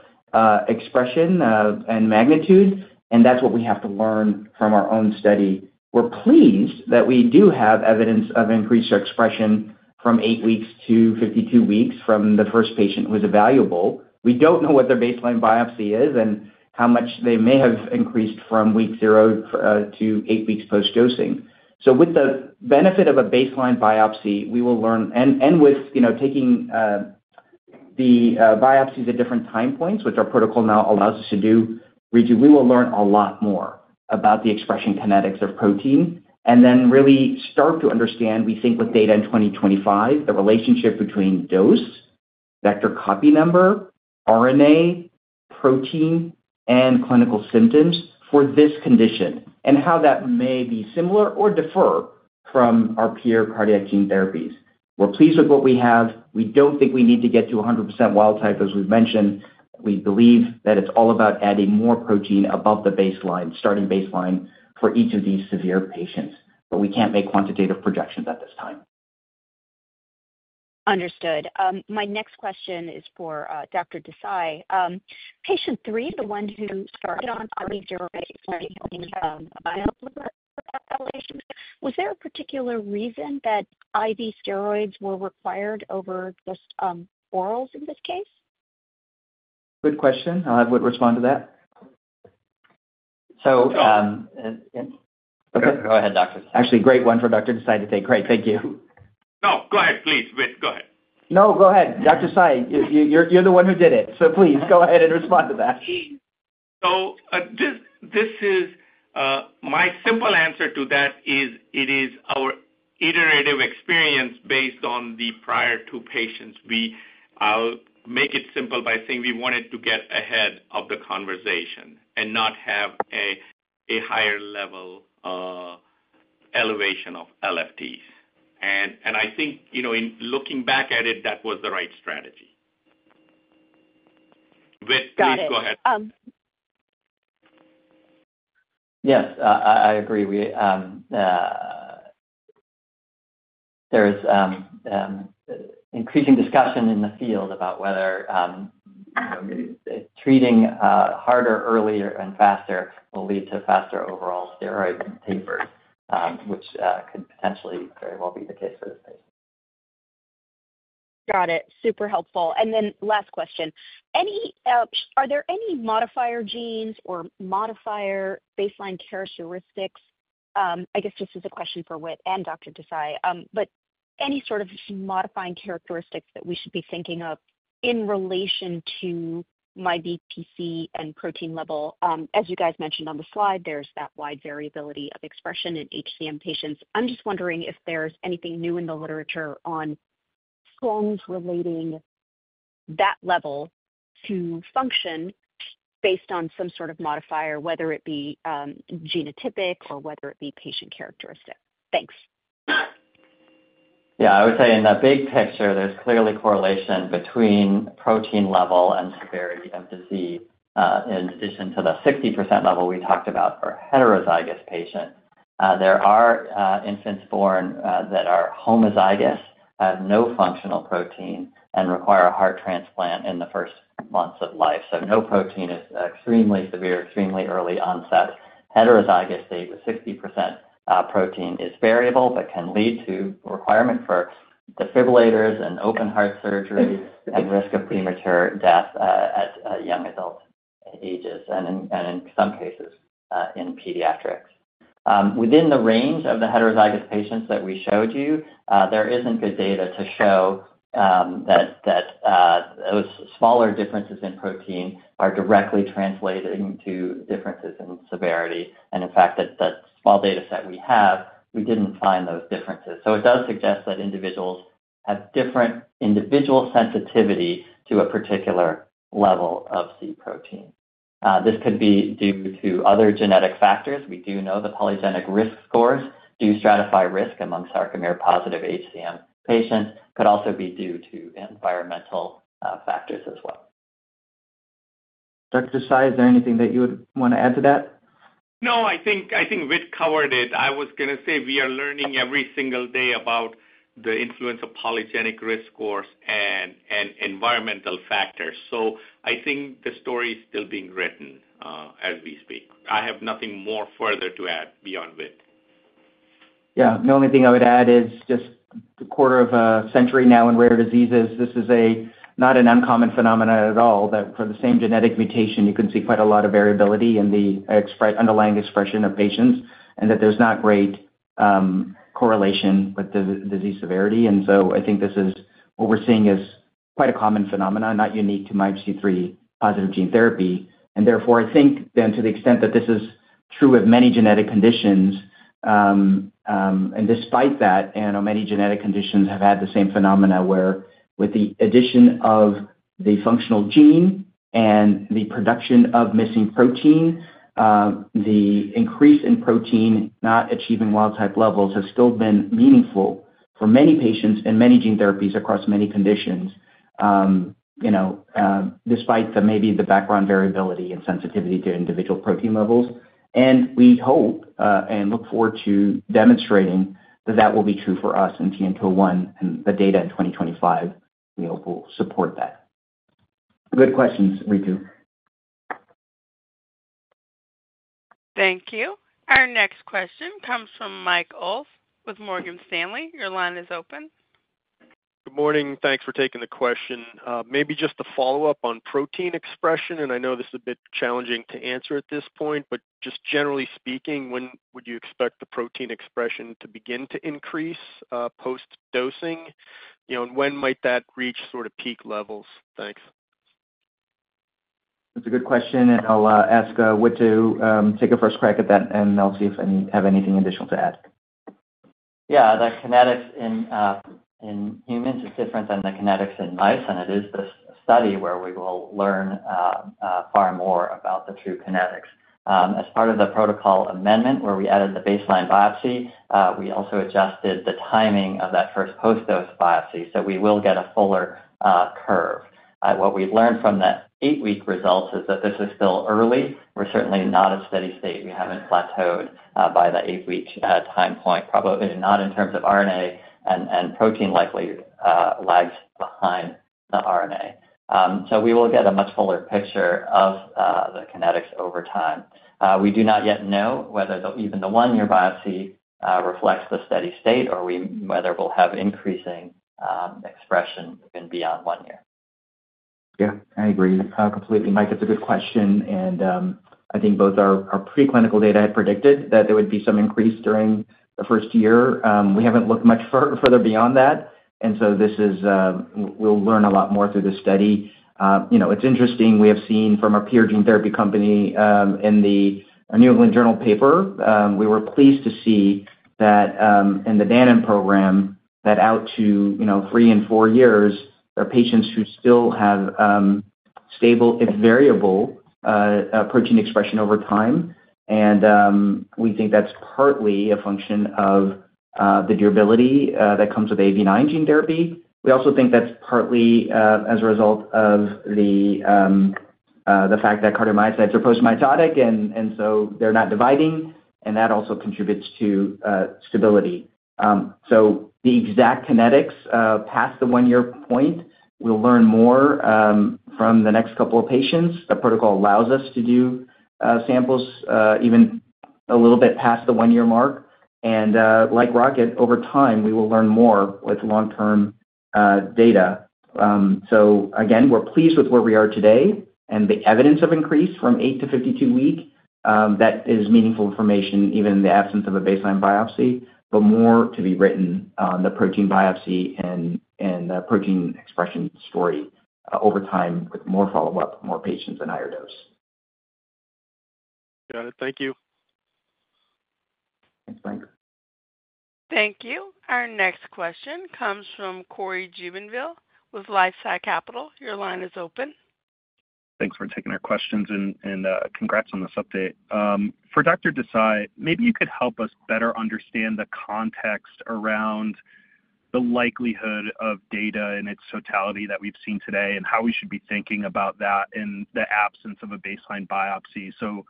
expression and magnitude. And that's what we have to learn from our own study. We're pleased that we do have evidence of increased expression from eight weeks to 52 weeks from the first patient who was evaluable. We don't know what their baseline biopsy is and how much they may have increased from week zero to eight weeks post-dosing. So with the benefit of a baseline biopsy, we will learn and with taking the biopsies at different time points, which our protocol now allows us to do, Ritu, we will learn a lot more about the expression kinetics of protein and then really start to understand, we think, with data in 2025, the relationship between dose, vector copy number, RNA, protein, and clinical symptoms for this condition and how that may be similar or differ from our peer cardiac gene therapies. We're pleased with what we have. We don't think we need to get to 100% wild type, as we've mentioned. We believe that it's all about adding more protein above the baseline, starting baseline for each of these severe patients. But we can't make quantitative projections at this time. Understood. My next question is for Dr. Desai. Patient three, the one who started on IV steroids elevations, was there a particular reason that IV steroids were required over just orals in this case? Good question. I'll have Whit respond to that. So okay, go ahead, Doctor. Actually, great one for Dr. Desai today. Great. Thank you. No, go ahead, please, Whit. Go ahead. No, go ahead. Dr. Desai, you're the one who did it. So please go ahead and respond to that. So my simple answer to that is it is our iterative experience based on the prior two patients. I'll make it simple by saying we wanted to get ahead of the conversation and not have a higher level elevation of LFTs. And I think in looking back at it, that was the right strategy. Whit, please go ahead. Yes, I agree. There is increasing discussion in the field about whether treating harder earlier and faster will lead to faster overall steroid tapers, which could potentially very well be the case for this patient. Got it. Super helpful. And then last question. Are there any modifier genes or modifier baseline characteristics? I guess this is a question for Whit and Dr. Desai, but any sort of modifying characteristics that we should be thinking of in relation to MyBPC and protein level? As you guys mentioned on the slide, there's that wide variability of expression in HCM patients. I'm just wondering if there's anything new in the literature on forms relating that level to function based on some sort of modifier, whether it be genotypic or whether it be patient characteristic. Thanks. Yeah, I would say in the big picture, there's clearly correlation between protein level and severity of disease. In addition to the 60% level we talked about for heterozygous patients, there are infants born that are homozygous, have no functional protein, and require a heart transplant in the first months of life. So no protein is extremely severe, extremely early onset. Heterozygous state with 60% protein is variable but can lead to requirement for defibrillators and open-heart surgery and risk of premature death at young adult ages and in some cases in pediatrics. Within the range of the heterozygous patients that we showed you, there isn't good data to show that those smaller differences in protein are directly translated into differences in severity. And in fact, that small data set we have, we didn't find those differences. So it does suggest that individuals have different individual sensitivity to a particular level of C protein. This could be due to other genetic factors. We do know the polygenic risk scores do stratify risk among sarcomere-positive HCM patients. It could also be due to environmental factors as well. Dr. Desai, is there anything that you would want to add to that? No, I think Whit covered it. I was going to say we are learning every single day about the influence of polygenic risk scores and environmental factors. So I think the story is still being written as we speak. I have nothing more further to add beyond Whit. Yeah, the only thing I would add is just a quarter of a century now in rare diseases, this is not an uncommon phenomenon at all, that for the same genetic mutation, you can see quite a lot of variability in the underlying expression of patients, and that there's not great correlation with the disease severity, and so I think this is what we're seeing is quite a common phenomenon, not unique to MYBPC3-positive gene therapy. And therefore, I think then to the extent that this is true of many genetic conditions, and despite that, many genetic conditions have had the same phenomena where with the addition of the functional gene and the production of missing protein, the increase in protein not achieving wild type levels has still been meaningful for many patients and many gene therapies across many conditions despite maybe the background variability and sensitivity to individual protein levels. And we hope and look forward to demonstrating that that will be true for us in TN-201. And the data in 2025 will support that. Good questions, Ritu. Thank you. Our next question comes from Michael Ulz with Morgan Stanley. Your line is open. Good morning. Thanks for taking the question. Maybe just a follow-up on protein expression, and I know this is a bit challenging to answer at this point, but just generally speaking, when would you expect the protein expression to begin to increase post-dosing, and when might that reach sort of peak levels? Thanks. That's a good question, and I'll ask Whit to take a first crack at that, and I'll see if I have anything additional to add. Yeah, the kinetics in humans is different than the kinetics in mice. And it is this study where we will learn far more about the true kinetics. As part of the protocol amendment where we added the baseline biopsy, we also adjusted the timing of that first post-dose biopsy. So we will get a fuller curve. What we've learned from the eight-week results is that this is still early. We're certainly not a steady state. We haven't plateaued by the eight-week time point, probably not in terms of RNA and protein likely lags behind the RNA. So we will get a much fuller picture of the kinetics over time. We do not yet know whether even the one-year biopsy reflects the steady state or whether we'll have increasing expression even beyond one year. Yeah, I agree completely, Mike. It's a good question. And I think both our preclinical data had predicted that there would be some increase during the first year. We haven't looked much further beyond that. And so we'll learn a lot more through this study. It's interesting. We have seen from our peer gene therapy company in the New England Journal paper, we were pleased to see that in the Danon program, that out to three and four years, there are patients who still have stable viable protein expression over time. And we think that's partly a function of the durability that comes with AAV9 gene therapy. We also think that's partly as a result of the fact that cardiomyocytes are post-mitotic, and so they're not dividing. And that also contributes to stability. So the exact kinetics past the one-year point, we'll learn more from the next couple of patients. The protocol allows us to do samples even a little bit past the one-year mark, and like Rocket, over time, we will learn more with long-term data, so again, we're pleased with where we are today, and the evidence of increase from eight to 52 weeks, that is meaningful information even in the absence of a baseline biopsy, but more to be written on the protein biopsy and protein expression story over time with more follow-up, more patients at higher dose. Got it. Thank you. Thanks, Mike. Thank you. Our next question comes from Cory Jubinville with LifeSci Capital. Your line is open. Thanks for taking our questions. Congrats on this update. For Dr. Desai, maybe you could help us better understand the context around the likelihood of data in its totality that we've seen today and how we should be thinking about that in the absence of a baseline biopsy. So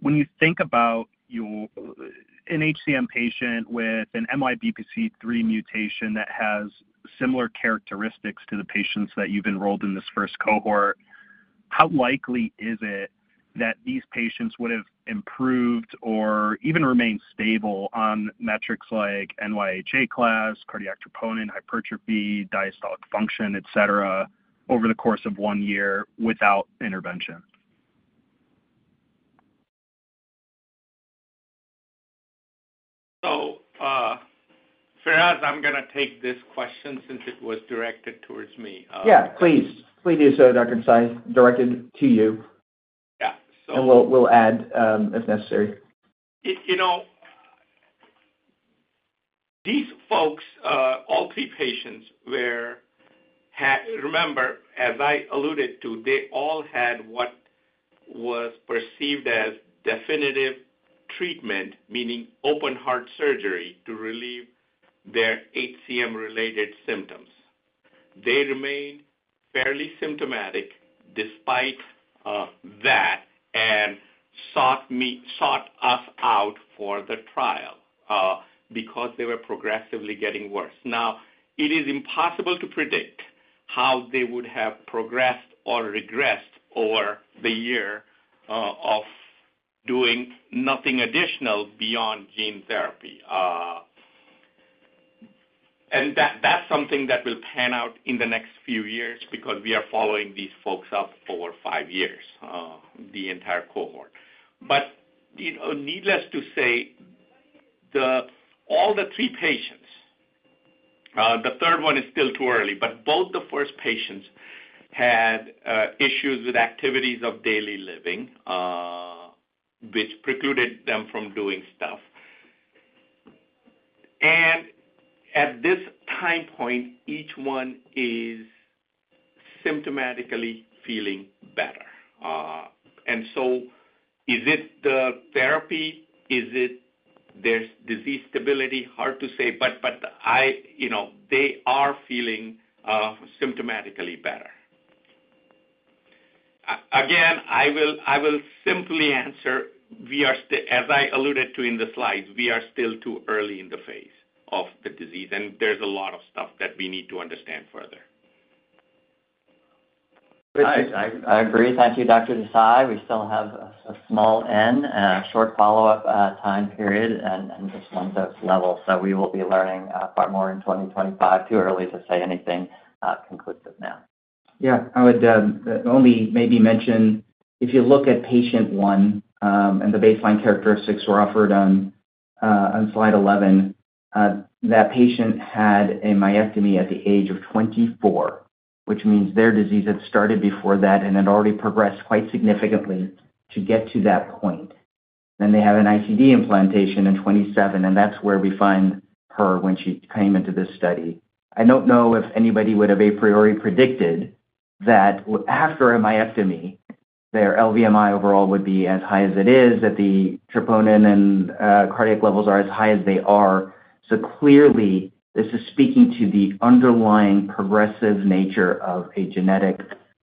when you think about an HCM patient with an MYBPC3 mutation that has similar characteristics to the patients that you've enrolled in this first cohort, how likely is it that these patients would have improved or even remained stable on metrics like NYHA class, cardiac troponin, hypertrophy, diastolic function, etc., over the course of one year without intervention? So, Faraz, I'm going to take this question since it was directed towards me. Yeah, please. Please use Dr. Desai directed to you. Yeah. And we'll add if necessary. These folks, all three patients, remember, as I alluded to, they all had what was perceived as definitive treatment, meaning open-heart surgery to relieve their HCM-related symptoms. They remained fairly symptomatic despite that and sought us out for the trial because they were progressively getting worse. Now, it is impossible to predict how they would have progressed or regressed over the year of doing nothing additional beyond gene therapy, and that's something that will pan out in the next few years because we are following these folks up over five years, the entire cohort, but needless to say, all the three patients, the third one is still too early, but both the first patients had issues with activities of daily living, which precluded them from doing stuff, and at this time point, each one is symptomatically feeling better, and so is it the therapy? Is it their disease stability? Hard to say, but they are feeling symptomatically better. Again, I will simply answer, as I alluded to in the slides, we are still too early in the phase of the disease, and there's a lot of stuff that we need to understand further. I agree. Thank you, Dr. Desai. We still have a small n, short follow-up time period, and just one dose level. So we will be learning far more in 2025. Too early to say anything conclusive now. Yeah, I would only maybe mention, if you look at patient one and the baseline characteristics were offered on slide 11, that patient had a myectomy at the age of 24, which means their disease had started before that and had already progressed quite significantly to get to that point. Then they have an ICD implantation in 27, and that's where we find her when she came into this study. I don't know if anybody would have a priori predicted that after a myectomy, their LVMI overall would be as high as it is, that the troponin and cardiac levels are as high as they are. So clearly, this is speaking to the underlying progressive nature of a genetic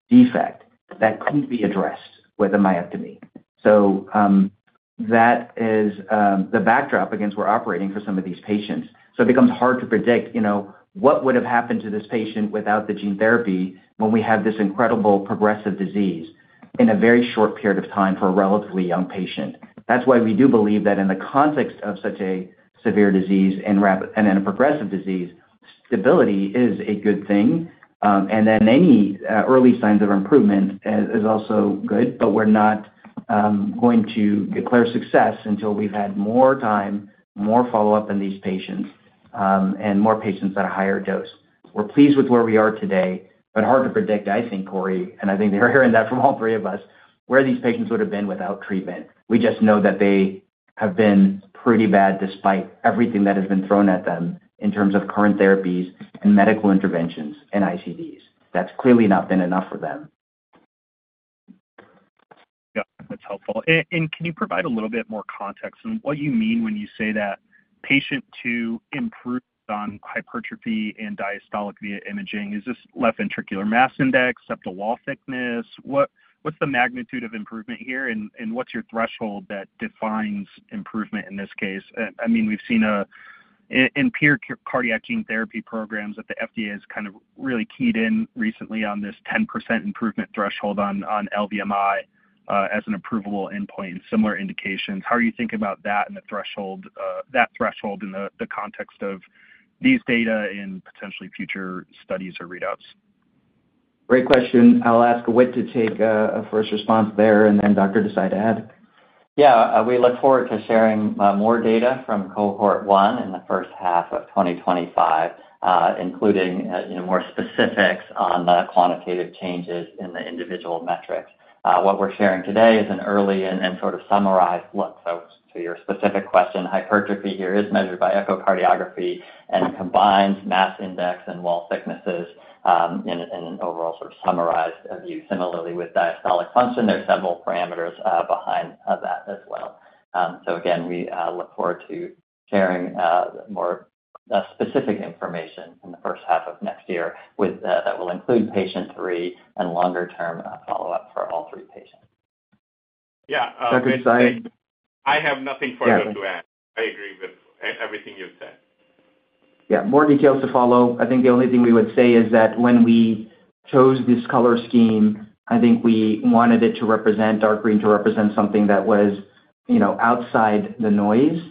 defect that couldn't be addressed with a myectomy. So that is the backdrop against where we're operating for some of these patients. It becomes hard to predict what would have happened to this patient without the gene therapy when we have this incredible progressive disease in a very short period of time for a relatively young patient. That's why we do believe that in the context of such a severe disease and in a progressive disease, stability is a good thing. Then any early signs of improvement is also good, but we're not going to declare success until we've had more time, more follow-up in these patients, and more patients at a higher dose. We're pleased with where we are today, but hard to predict, I think, Cory, and I think they're hearing that from all three of us, where these patients would have been without treatment. We just know that they have been pretty bad despite everything that has been thrown at them in terms of current therapies and medical interventions and ICDs. That's clearly not been enough for them. Yeah, that's helpful. And can you provide a little bit more context on what you mean when you say that patient two improved on hypertrophy and diastolic via imaging? Is this left ventricular mass index, septal wall thickness? What's the magnitude of improvement here? And what's your threshold that defines improvement in this case? I mean, we've seen in peer cardiac gene therapy programs that the FDA has kind of really keyed in recently on this 10% improvement threshold on LVMI as an approval endpoint and similar indications. How do you think about that and that threshold in the context of these data and potentially future studies or readouts? Great question. I'll ask Whit to take a first response there and then Dr. Desai to add. Yeah, we look forward to sharing more data from cohort one in the first half of 2025, including more specifics on the quantitative changes in the individual metrics. What we're sharing today is an early and sort of summarized look. So to your specific question, hypertrophy here is measured by echocardiography and combines mass index and wall thicknesses in an overall sort of summarized view. Similarly, with diastolic function, there are several parameters behind that as well. So again, we look forward to sharing more specific information in the first half of next year that will include patient three and longer-term follow-up for all three patients. Yeah. Dr. Desai? I have nothing further to add. I agree with everything you've said. Yeah, more details to follow. I think the only thing we would say is that when we chose this color scheme, I think we wanted our green to represent something that was outside the noise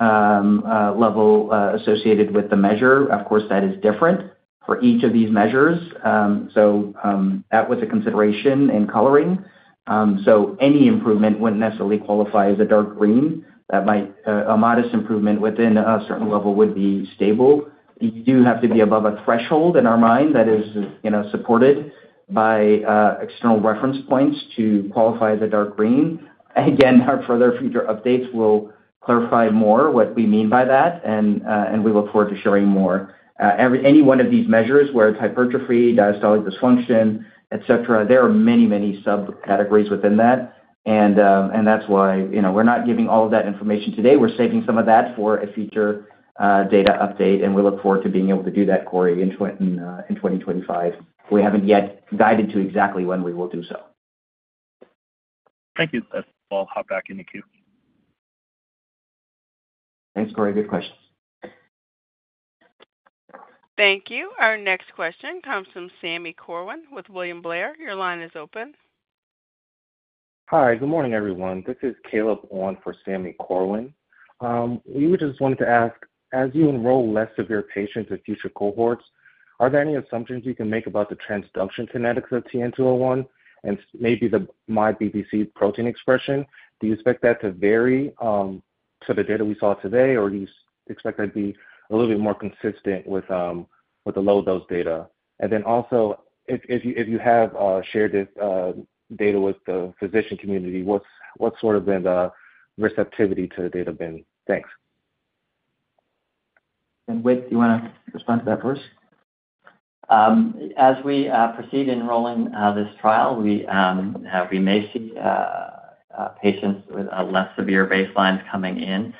level associated with the measure. Of course, that is different for each of these measures. So that was a consideration in coloring. So any improvement wouldn't necessarily qualify as a dark green. A modest improvement within a certain level would be stable. You do have to be above a threshold in our mind that is supported by external reference points to qualify as a dark green. Again, our further future updates will clarify more what we mean by that, and we look forward to sharing more. Any one of these measures where it's hypertrophy, diastolic dysfunction, etc., there are many, many subcategories within that. That's why we're not giving all of that information today. We're saving some of that for a future data update, and we look forward to being able to do that, Cory, in 2025. We haven't yet guided to exactly when we will do so. Thank you. I'll hop back in the queue. Thanks, Cory. Good questions. Thank you. Our next question comes from Sammy Corwin with William Blair. Your line is open. Hi, good morning, everyone. This is Caleb on for Sammy Corwin. We would just want to ask, as you enroll less severe patients in future cohorts, are there any assumptions you can make about the transduction kinetics of TN-201 and maybe the MYBPC protein expression? Do you expect that to vary to the data we saw today, or do you expect that to be a little bit more consistent with the low-dose data? And then also, if you have shared this data with the physician community, what's sort of been the receptivity to the data? Thanks. Whit, do you want to respond to that first? As we proceed in enrolling this trial, we may see patients with less severe baselines coming in.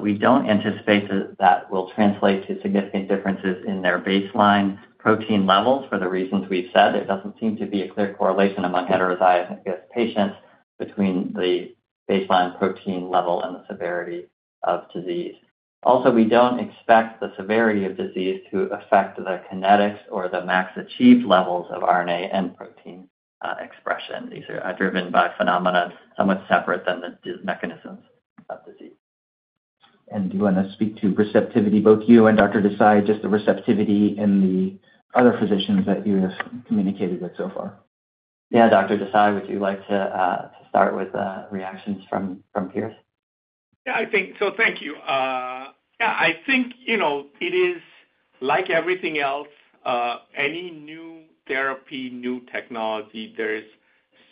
We don't anticipate that that will translate to significant differences in their baseline protein levels for the reasons we've said. It doesn't seem to be a clear correlation among heterozygous patients between the baseline protein level and the severity of disease. Also, we don't expect the severity of disease to affect the kinetics or the max achieved levels of RNA and protein expression. These are driven by phenomena somewhat separate than the mechanisms of disease. Do you want to speak to receptivity, both you and Dr. Desai, just the receptivity in the other physicians that you have communicated with so far? Yeah, Dr. Desai, would you like to start with reactions from peers? Yeah, I think so. Thank you. Yeah, I think it is like everything else. Any new therapy, new technology, there is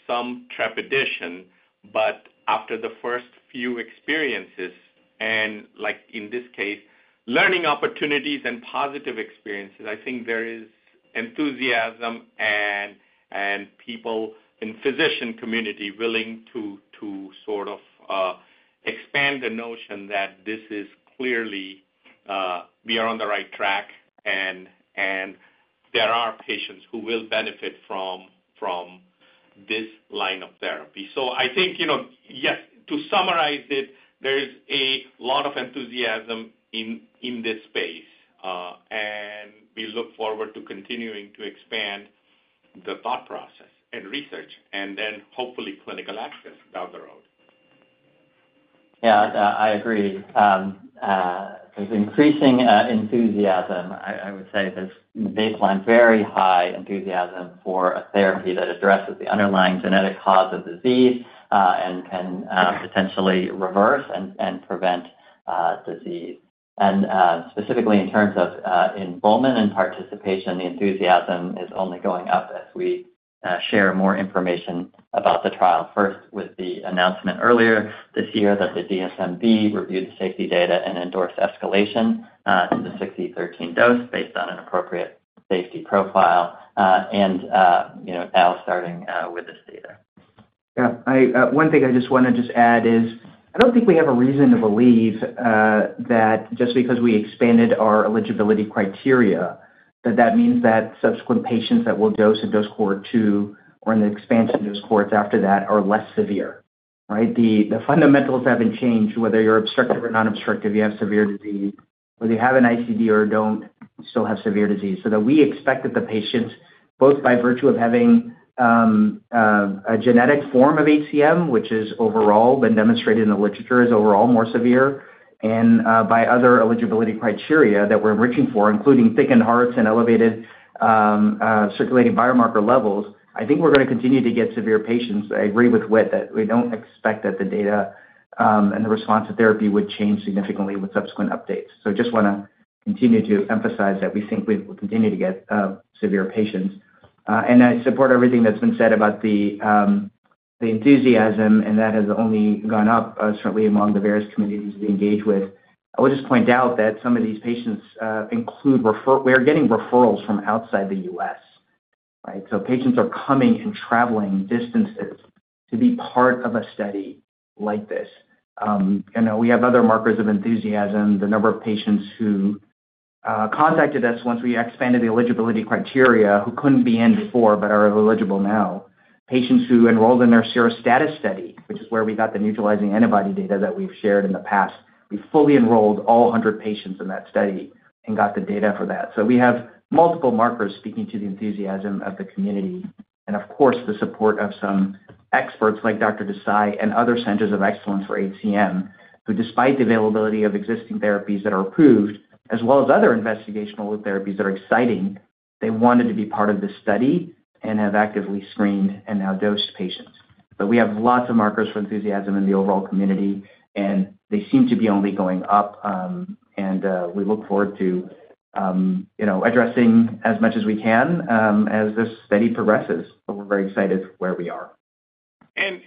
some trepidation. But after the first few experiences, and like in this case, learning opportunities and positive experiences, I think there is enthusiasm and people in the physician community willing to sort of expand the notion that this is clearly we are on the right track, and there are patients who will benefit from this line of therapy. So I think, yes, to summarize it, there is a lot of enthusiasm in this space, and we look forward to continuing to expand the thought process and research, and then hopefully clinical access down the road. Yeah, I agree. There's increasing enthusiasm, I would say, in the baseline, very high enthusiasm for a therapy that addresses the underlying genetic cause of disease and can potentially reverse and prevent disease. And specifically in terms of involvement and participation, the enthusiasm is only going up as we share more information about the trial. First, with the announcement earlier this year that the DSMB reviewed the safety data and endorsed escalation to the 6e13 dose based on an appropriate safety profile, and now starting with this data. Yeah, one thing I just want to just add is I don't think we have a reason to believe that just because we expanded our eligibility criteria, that that means that subsequent patients that will dose in dose cohort two or in the expansion dose cohorts after that are less severe, right? The fundamentals haven't changed. Whether you're obstructive or non-obstructive, you have severe disease. Whether you have an ICD or don't, you still have severe disease. So that we expect that the patients, both by virtue of having a genetic form of HCM, which has overall been demonstrated in the literature as overall more severe, and by other eligibility criteria that we're enriching for, including thickened hearts and elevated circulating biomarker levels, I think we're going to continue to get severe patients. I agree with Whit that we don't expect that the data and the response to therapy would change significantly with subsequent updates. So I just want to continue to emphasize that we think we will continue to get severe patients. And I support everything that's been said about the enthusiasm, and that has only gone up certainly among the various communities we engage with. I will just point out that some of these patients include we are getting referrals from outside the U.S., right? So patients are coming and traveling distances to be part of a study like this. We have other markers of enthusiasm: the number of patients who contacted us once we expanded the eligibility criteria, who couldn't be in before, but are eligible now. Patients who enrolled in their serostatus study, which is where we got the neutralizing antibody data that we've shared in the past. We fully enrolled all 100 patients in that study and got the data for that. So we have multiple markers speaking to the enthusiasm of the community. And of course, the support of some experts like Dr. Desai and other centers of excellence for HCM, who despite the availability of existing therapies that are approved, as well as other investigational therapies that are exciting, they wanted to be part of this study and have actively screened and now dosed patients. But we have lots of markers for enthusiasm in the overall community, and they seem to be only going up. And we look forward to addressing as much as we can as this study progresses. But we're very excited where we are. And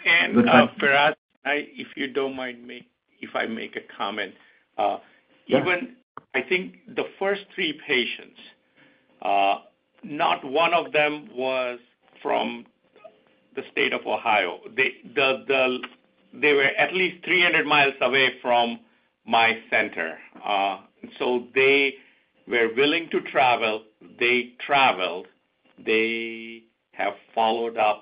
for us, if you don't mind me if I make a comment, even I think the first three patients, not one of them was from the state of Ohio. They were at least 300 miles away from my center. So they were willing to travel. They traveled. They have followed up.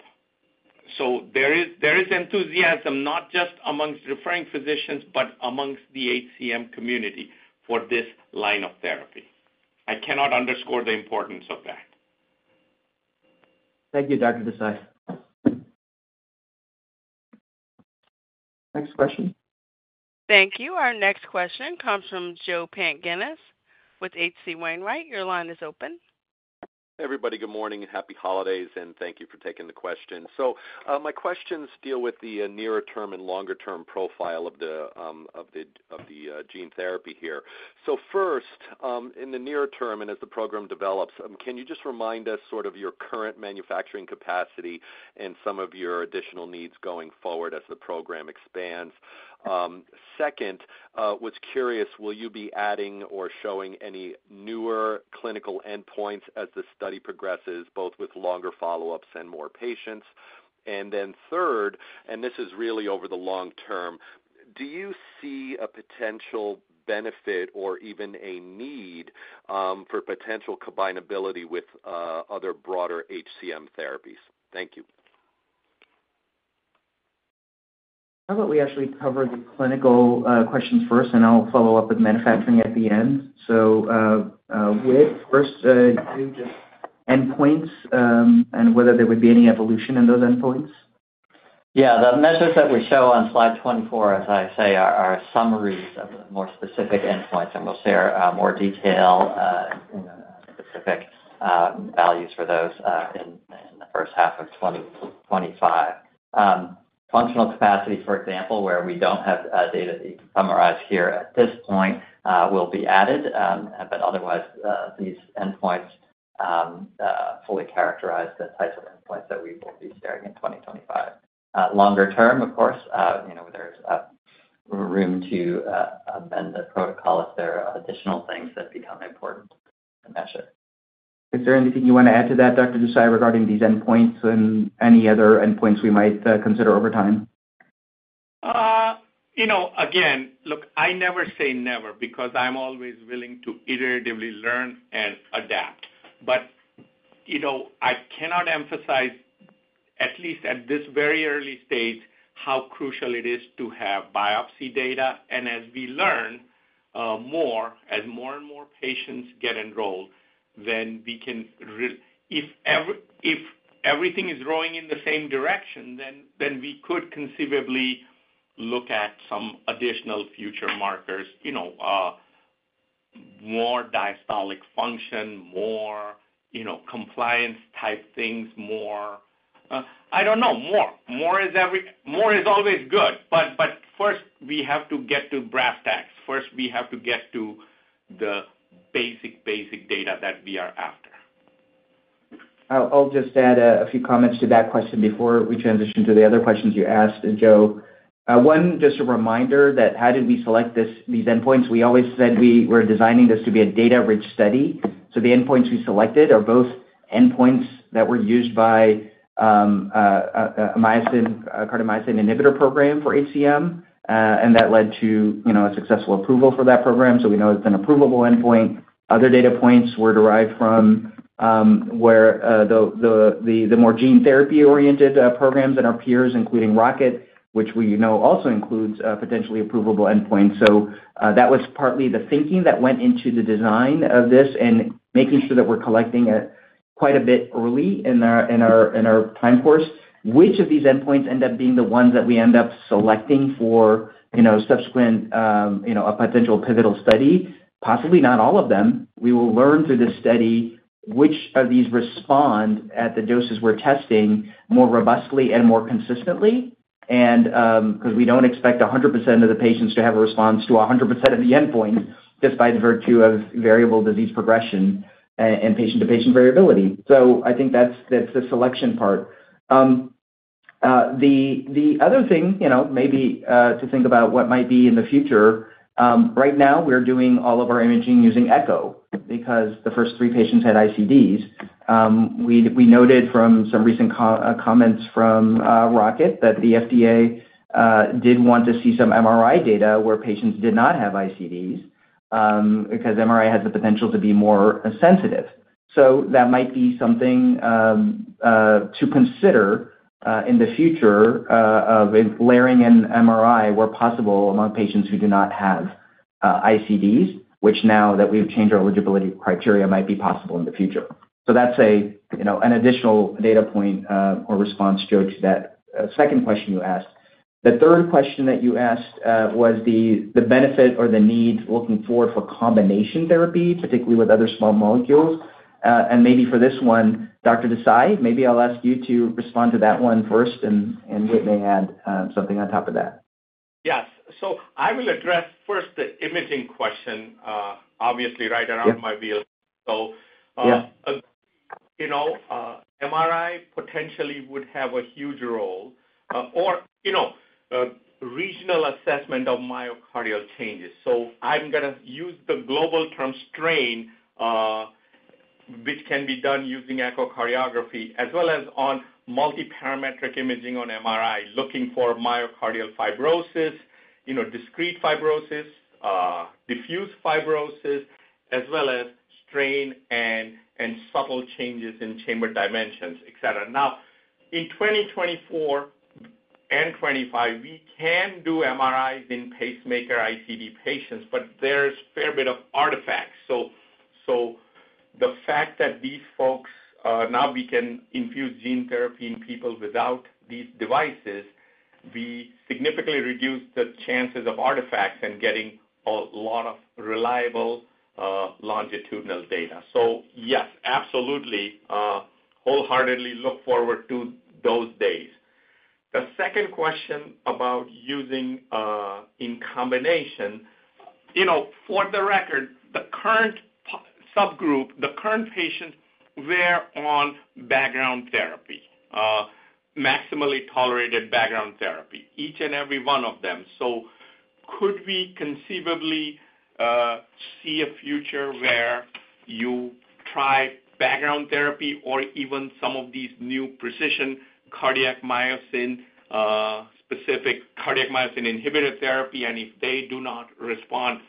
So there is enthusiasm not just amongst referring physicians, but amongst the HCM community for this line of therapy. I cannot underscore the importance of that. Thank you, Dr. Desai. Next question. Thank you. Our next question comes from Joe Pantginis with H.C. Wainwright. Your line is open. Everybody, good morning and happy holidays, and thank you for taking the question. So my questions deal with the near-term and longer-term profile of the gene therapy here. So first, in the near term and as the program develops, can you just remind us sort of your current manufacturing capacity and some of your additional needs going forward as the program expands? Second, I was curious, will you be adding or showing any newer clinical endpoints as the study progresses, both with longer follow-ups and more patients? And then third, and this is really over the long term, do you see a potential benefit or even a need for potential combinability with other broader HCM therapies? Thank you. How about we actually cover the clinical questions first, and I'll follow up with manufacturing at the end. So Whit, first, do you just endpoints and whether there would be any evolution in those endpoints? Yeah, the measures that we show on slide 24, as I say, are summaries of the more specific endpoints. And we'll share more detail in specific values for those in the first half of 2025. Functional capacity, for example, where we don't have data that you can summarize here at this point, will be added. But otherwise, these endpoints fully characterize the types of endpoints that we will be sharing in 2025. Longer term, of course, there's room to amend the protocol if there are additional things that become important to measure. Is there anything you want to add to that, Dr. Desai, regarding these endpoints and any other endpoints we might consider over time? Again, look, I never say never because I'm always willing to iteratively learn and adapt. But I cannot emphasize, at least at this very early stage, how crucial it is to have biopsy data. And as we learn more, as more and more patients get enrolled, then we can, if everything is going in the same direction, then we could conceivably look at some additional future markers, more diastolic function, more compliance-type things, more I don't know, more. More is always good. But first, we have to get to brass tacks. First, we have to get to the basic, basic data that we are after. I'll just add a few comments to that question before we transition to the other questions you asked, Joe. One, just a reminder that how did we select these endpoints? We always said we were designing this to be a data-rich study. So the endpoints we selected are both endpoints that were used by a cardiomyocyte inhibitor program for HCM, and that led to a successful approval for that program. So we know it's an approvable endpoint. Other data points were derived from the more gene therapy-oriented programs and our peers, including Rocket, which we know also includes potentially approvable endpoints. So that was partly the thinking that went into the design of this and making sure that we're collecting it quite a bit early in our time course. Which of these endpoints end up being the ones that we end up selecting for subsequent potential pivotal study? Possibly not all of them. We will learn through this study which of these respond at the doses we're testing more robustly and more consistently because we don't expect 100% of the patients to have a response to 100% of the endpoints just by the virtue of variable disease progression and patient-to-patient variability. So I think that's the selection part. The other thing, maybe to think about what might be in the future, right now we're doing all of our imaging using Echo because the first three patients had ICDs. We noted from some recent comments from Rocket that the FDA did want to see some MRI data where patients did not have ICDs because MRI has the potential to be more sensitive. So that might be something to consider in the future of layering an MRI where possible among patients who do not have ICDs, which now that we've changed our eligibility criteria might be possible in the future. So that's an additional data point or response, Joe, to that second question you asked. The third question that you asked was the benefit or the need looking forward for combination therapy, particularly with other small molecules. And maybe for this one, Dr. Desai, maybe I'll ask you to respond to that one first, and Whit may add something on top of that. Yes. So I will address first the imaging question, obviously, right in my wheelhouse. So MRI potentially would have a huge role in regional assessment of myocardial changes. So I'm going to use the global term strain, which can be done using echocardiography, as well as on multiparametric imaging on MRI, looking for myocardial fibrosis, discrete fibrosis, diffuse fibrosis, as well as strain and subtle changes in chamber dimensions, etc. Now, in 2024 and 2025, we can do MRIs in pacemaker ICD patients, but there's a fair bit of artifacts. So the fact that these folks now we can infuse gene therapy in people without these devices, we significantly reduce the chances of artifacts and getting a lot of reliable longitudinal data. So yes, absolutely, wholeheartedly look forward to those days. The second question about using in combination, for the record, the current subgroup, the current patients were on background therapy, maximally tolerated background therapy, each and every one of them. So could we conceivably see a future where you try background therapy or even some of these new precision cardiac myosin-specific cardiac myosin inhibitor therapy? And if they do not respond,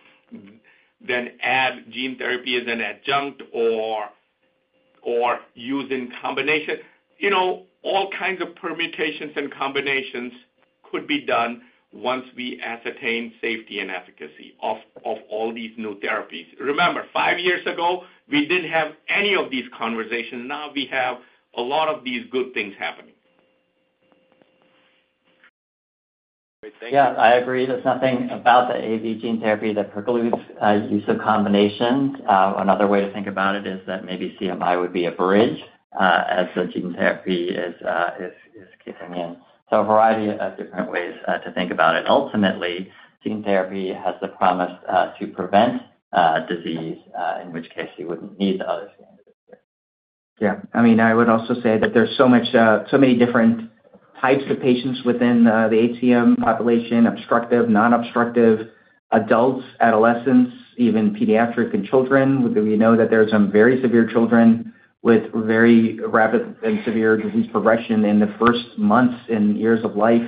then add gene therapy as an adjunct or use in combination. All kinds of permutations and combinations could be done once we ascertain safety and efficacy of all these new therapies. Remember, five years ago, we didn't have any of these conversations. Now we have a lot of these good things happening. Yeah, I agree. There's nothing about the AAV gene therapy that precludes use of combinations. Another way to think about it is that maybe CMI would be a bridge as the gene therapy is kicking in. So a variety of different ways to think about it. Ultimately, gene therapy has the promise to prevent disease, in which case you wouldn't need the other standards. Yeah. I mean, I would also say that there's so many different types of patients within the HCM population: obstructive, non-obstructive, adults, adolescents, even pediatric and children. We know that there are some very severe children with very rapid and severe disease progression in the first months and years of life.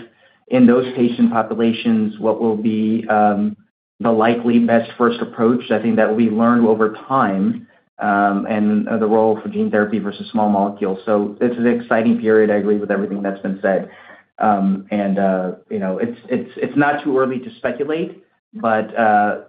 In those patient populations, what will be the likely best first approach? I think that will be learned over time and the role for gene therapy versus small molecules. So it's an exciting period. I agree with everything that's been said, and it's not too early to speculate, but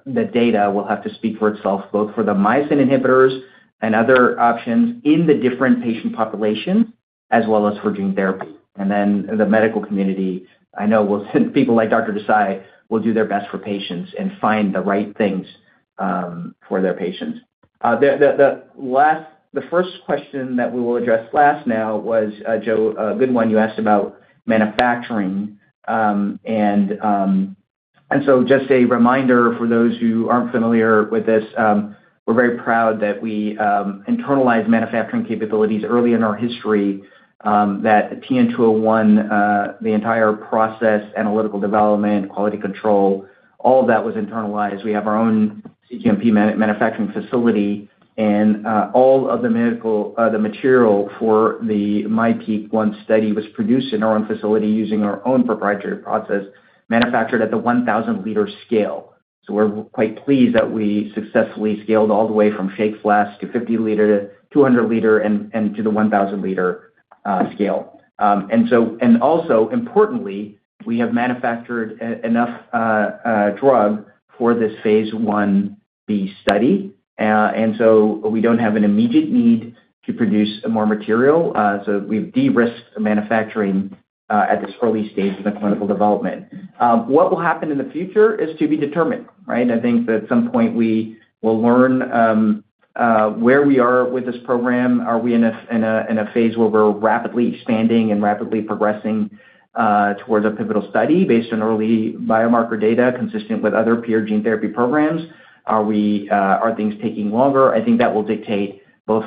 the data will have to speak for itself, both for the myosin inhibitors and other options in the different patient populations, as well as for gene therapy, and then the medical community. I know people like Dr. Desai will do their best for patients and find the right things for their patients. The first question that we will address last now was, Joe, a good one. You asked about manufacturing, and so just a reminder for those who aren't familiar with this, we're very proud that we internalized manufacturing capabilities early in our history, that TN-201, the entire process, analytical development, quality control, all of that was internalized. We have our own cGMP manufacturing facility. And all of the material for the MyPEAK-1 study was produced in our own facility using our own proprietary process, manufactured at the 1,000-liter scale. So we're quite pleased that we successfully scaled all the way from shake flask to 50-liter to 200-liter and to the 1,000-liter scale. And also, importantly, we have manufactured enough drug for this phase I-B study. And so we don't have an immediate need to produce more material. So we've de-risked manufacturing at this early stage in the clinical development. What will happen in the future is to be determined, right? I think that at some point we will learn where we are with this program. Are we in a phase where we're rapidly expanding and rapidly progressing towards a pivotal study based on early biomarker data consistent with other peer gene therapy programs? Are things taking longer? I think that will dictate both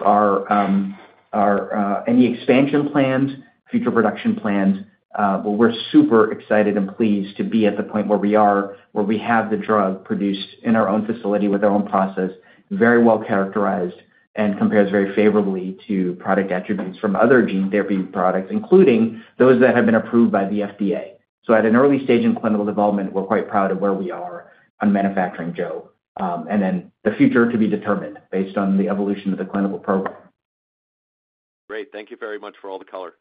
any expansion plans, future production plans. But we're super excited and pleased to be at the point where we are, where we have the drug produced in our own facility with our own process, very well characterized, and compares very favorably to product attributes from other gene therapy products, including those that have been approved by the FDA. So at an early stage in clinical development, we're quite proud of where we are on manufacturing, Joe. And then the future to be determined based on the evolution of the clinical program. Great. Thank you very much for all the color.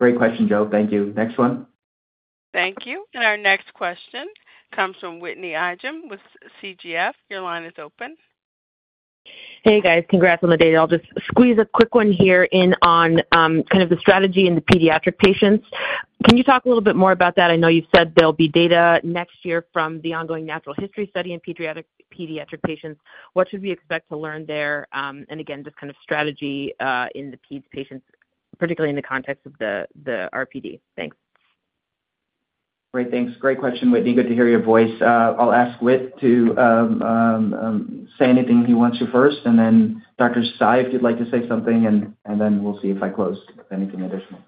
Great question, Joe. Thank you. Next one. Thank you. And our next question comes from Whitney Ijem with Canaccord Genuity. Your line is open. Hey, guys. Congrats on the data. I'll just squeeze a quick one here in on kind of the strategy in the pediatric patients. Can you talk a little bit more about that? I know you've said there'll be data next year from the ongoing natural history study in pediatric patients. What should we expect to learn there? And again, just kind of strategy in the peds patients, particularly in the context of the RPD. Thanks. Great. Thanks. Great question, Whitney. Good to hear your voice. I'll ask Whit to say anything he wants to first, and then Dr. Desai, if you'd like to say something, and then we'll see if I close anything additional.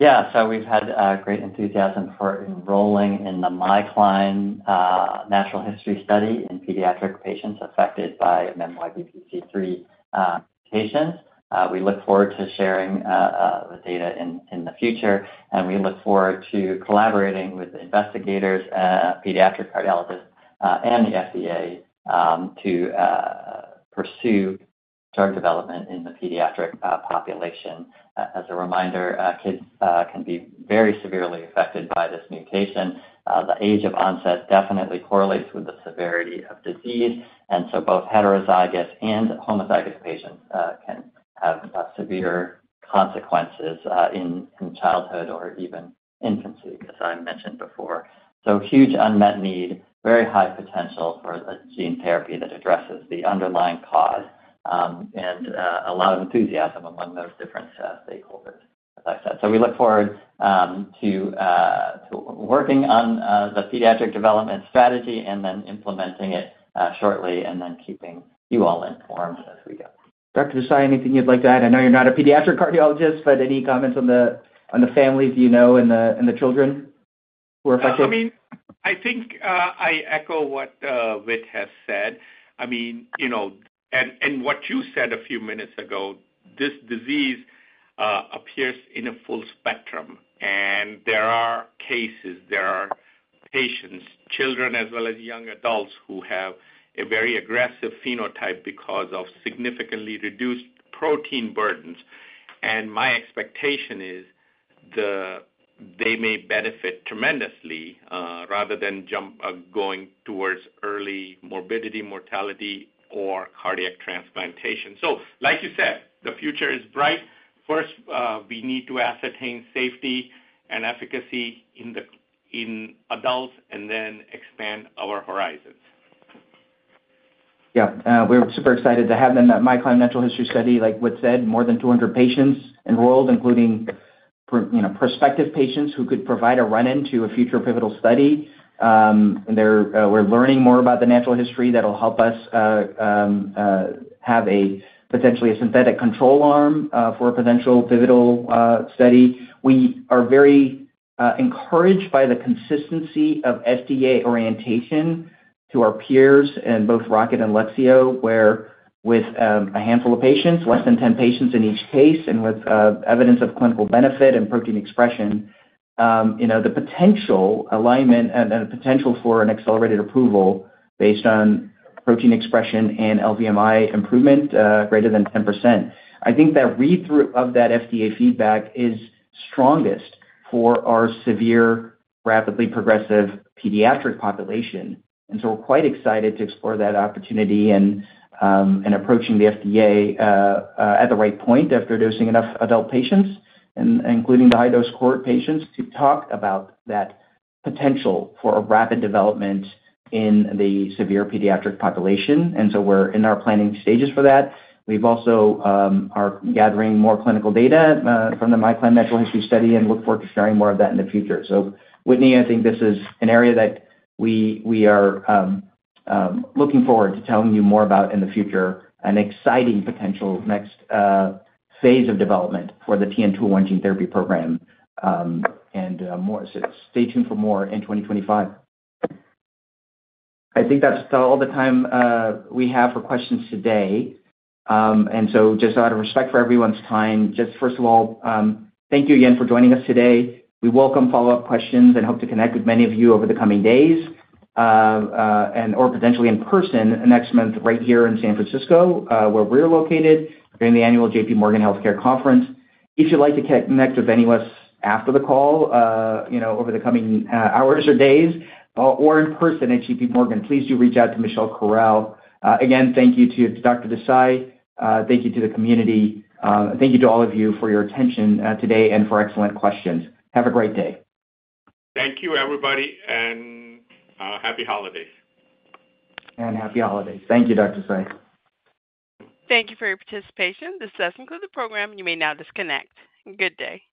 Yeah. So we've had great enthusiasm for enrolling in the MyCLIMB natural history study in pediatric patients affected by MYBPC3 patients. We look forward to sharing the data in the future, and we look forward to collaborating with investigators, pediatric cardiologists, and the FDA to pursue drug development in the pediatric population. As a reminder, kids can be very severely affected by this mutation. The age of onset definitely correlates with the severity of disease, and so both heterozygous and homozygous patients can have severe consequences in childhood or even infancy, as I mentioned before, so huge unmet need, very high potential for gene therapy that addresses the underlying cause and a lot of enthusiasm among those different stakeholders, as I said, so we look forward to working on the pediatric development strategy and then implementing it shortly and then keeping you all informed as we go. Dr. Desai, anything you'd like to add? I know you're not a pediatric cardiologist, but any comments on the families, you know, and the children who are affected? I mean, I think I echo what Whit has said. I mean, and what you said a few minutes ago, this disease appears in a full spectrum. And there are cases, there are patients, children, as well as young adults who have a very aggressive phenotype because of significantly reduced protein burdens. And my expectation is they may benefit tremendously rather than going towards early morbidity, mortality, or cardiac transplantation. So like you said, the future is bright. First, we need to ascertain safety and efficacy in adults and then expand our horizons. Yeah. We're super excited to have the MyCLIMB natural history study, like Whit said, more than 200 patients enrolled, including prospective patients who could provide a run-in to a future pivotal study. And we're learning more about the natural history that'll help us have potentially a synthetic control arm for a potential pivotal study. We are very encouraged by the consistency of FDA orientation to our peers in both Rocket and Lexeo, where with a handful of patients, less than 10 patients in each case, and with evidence of clinical benefit and protein expression, the potential alignment and the potential for an accelerated approval based on protein expression and LVMI improvement greater than 10%. I think that read-through of that FDA feedback is strongest for our severe, rapidly progressive pediatric population. And so we're quite excited to explore that opportunity and approaching the FDA at the right point after dosing enough adult patients, including the high-dose cohort patients, to talk about that potential for rapid development in the severe pediatric population. And so we're in our planning stages for that. We're also gathering more clinical data from the MyCLIMB natural history study and look forward to sharing more of that in the future. So Whitney, I think this is an area that we are looking forward to telling you more about in the future, an exciting potential next phase of development for the TN-201 gene therapy program and more. So stay tuned for more in 2025. I think that's all the time we have for questions today. And so just out of respect for everyone's time, just first of all, thank you again for joining us today. We welcome follow-up questions and hope to connect with many of you over the coming days and/or potentially in person next month right here in San Francisco, where we're located during the annual JPMorgan Healthcare Conference. If you'd like to connect with any of us after the call over the coming hours or days or in person at JPMorgan, please do reach out to Michelle Corral. Again, thank you to Dr. Desai. Thank you to the community. Thank you to all of you for your attention today and for excellent questions. Have a great day. Thank you, everybody, and happy holidays. Happy holidays. Thank you, Dr. Desai. Thank you for your participation. This does conclude the program. You may now disconnect. Good day.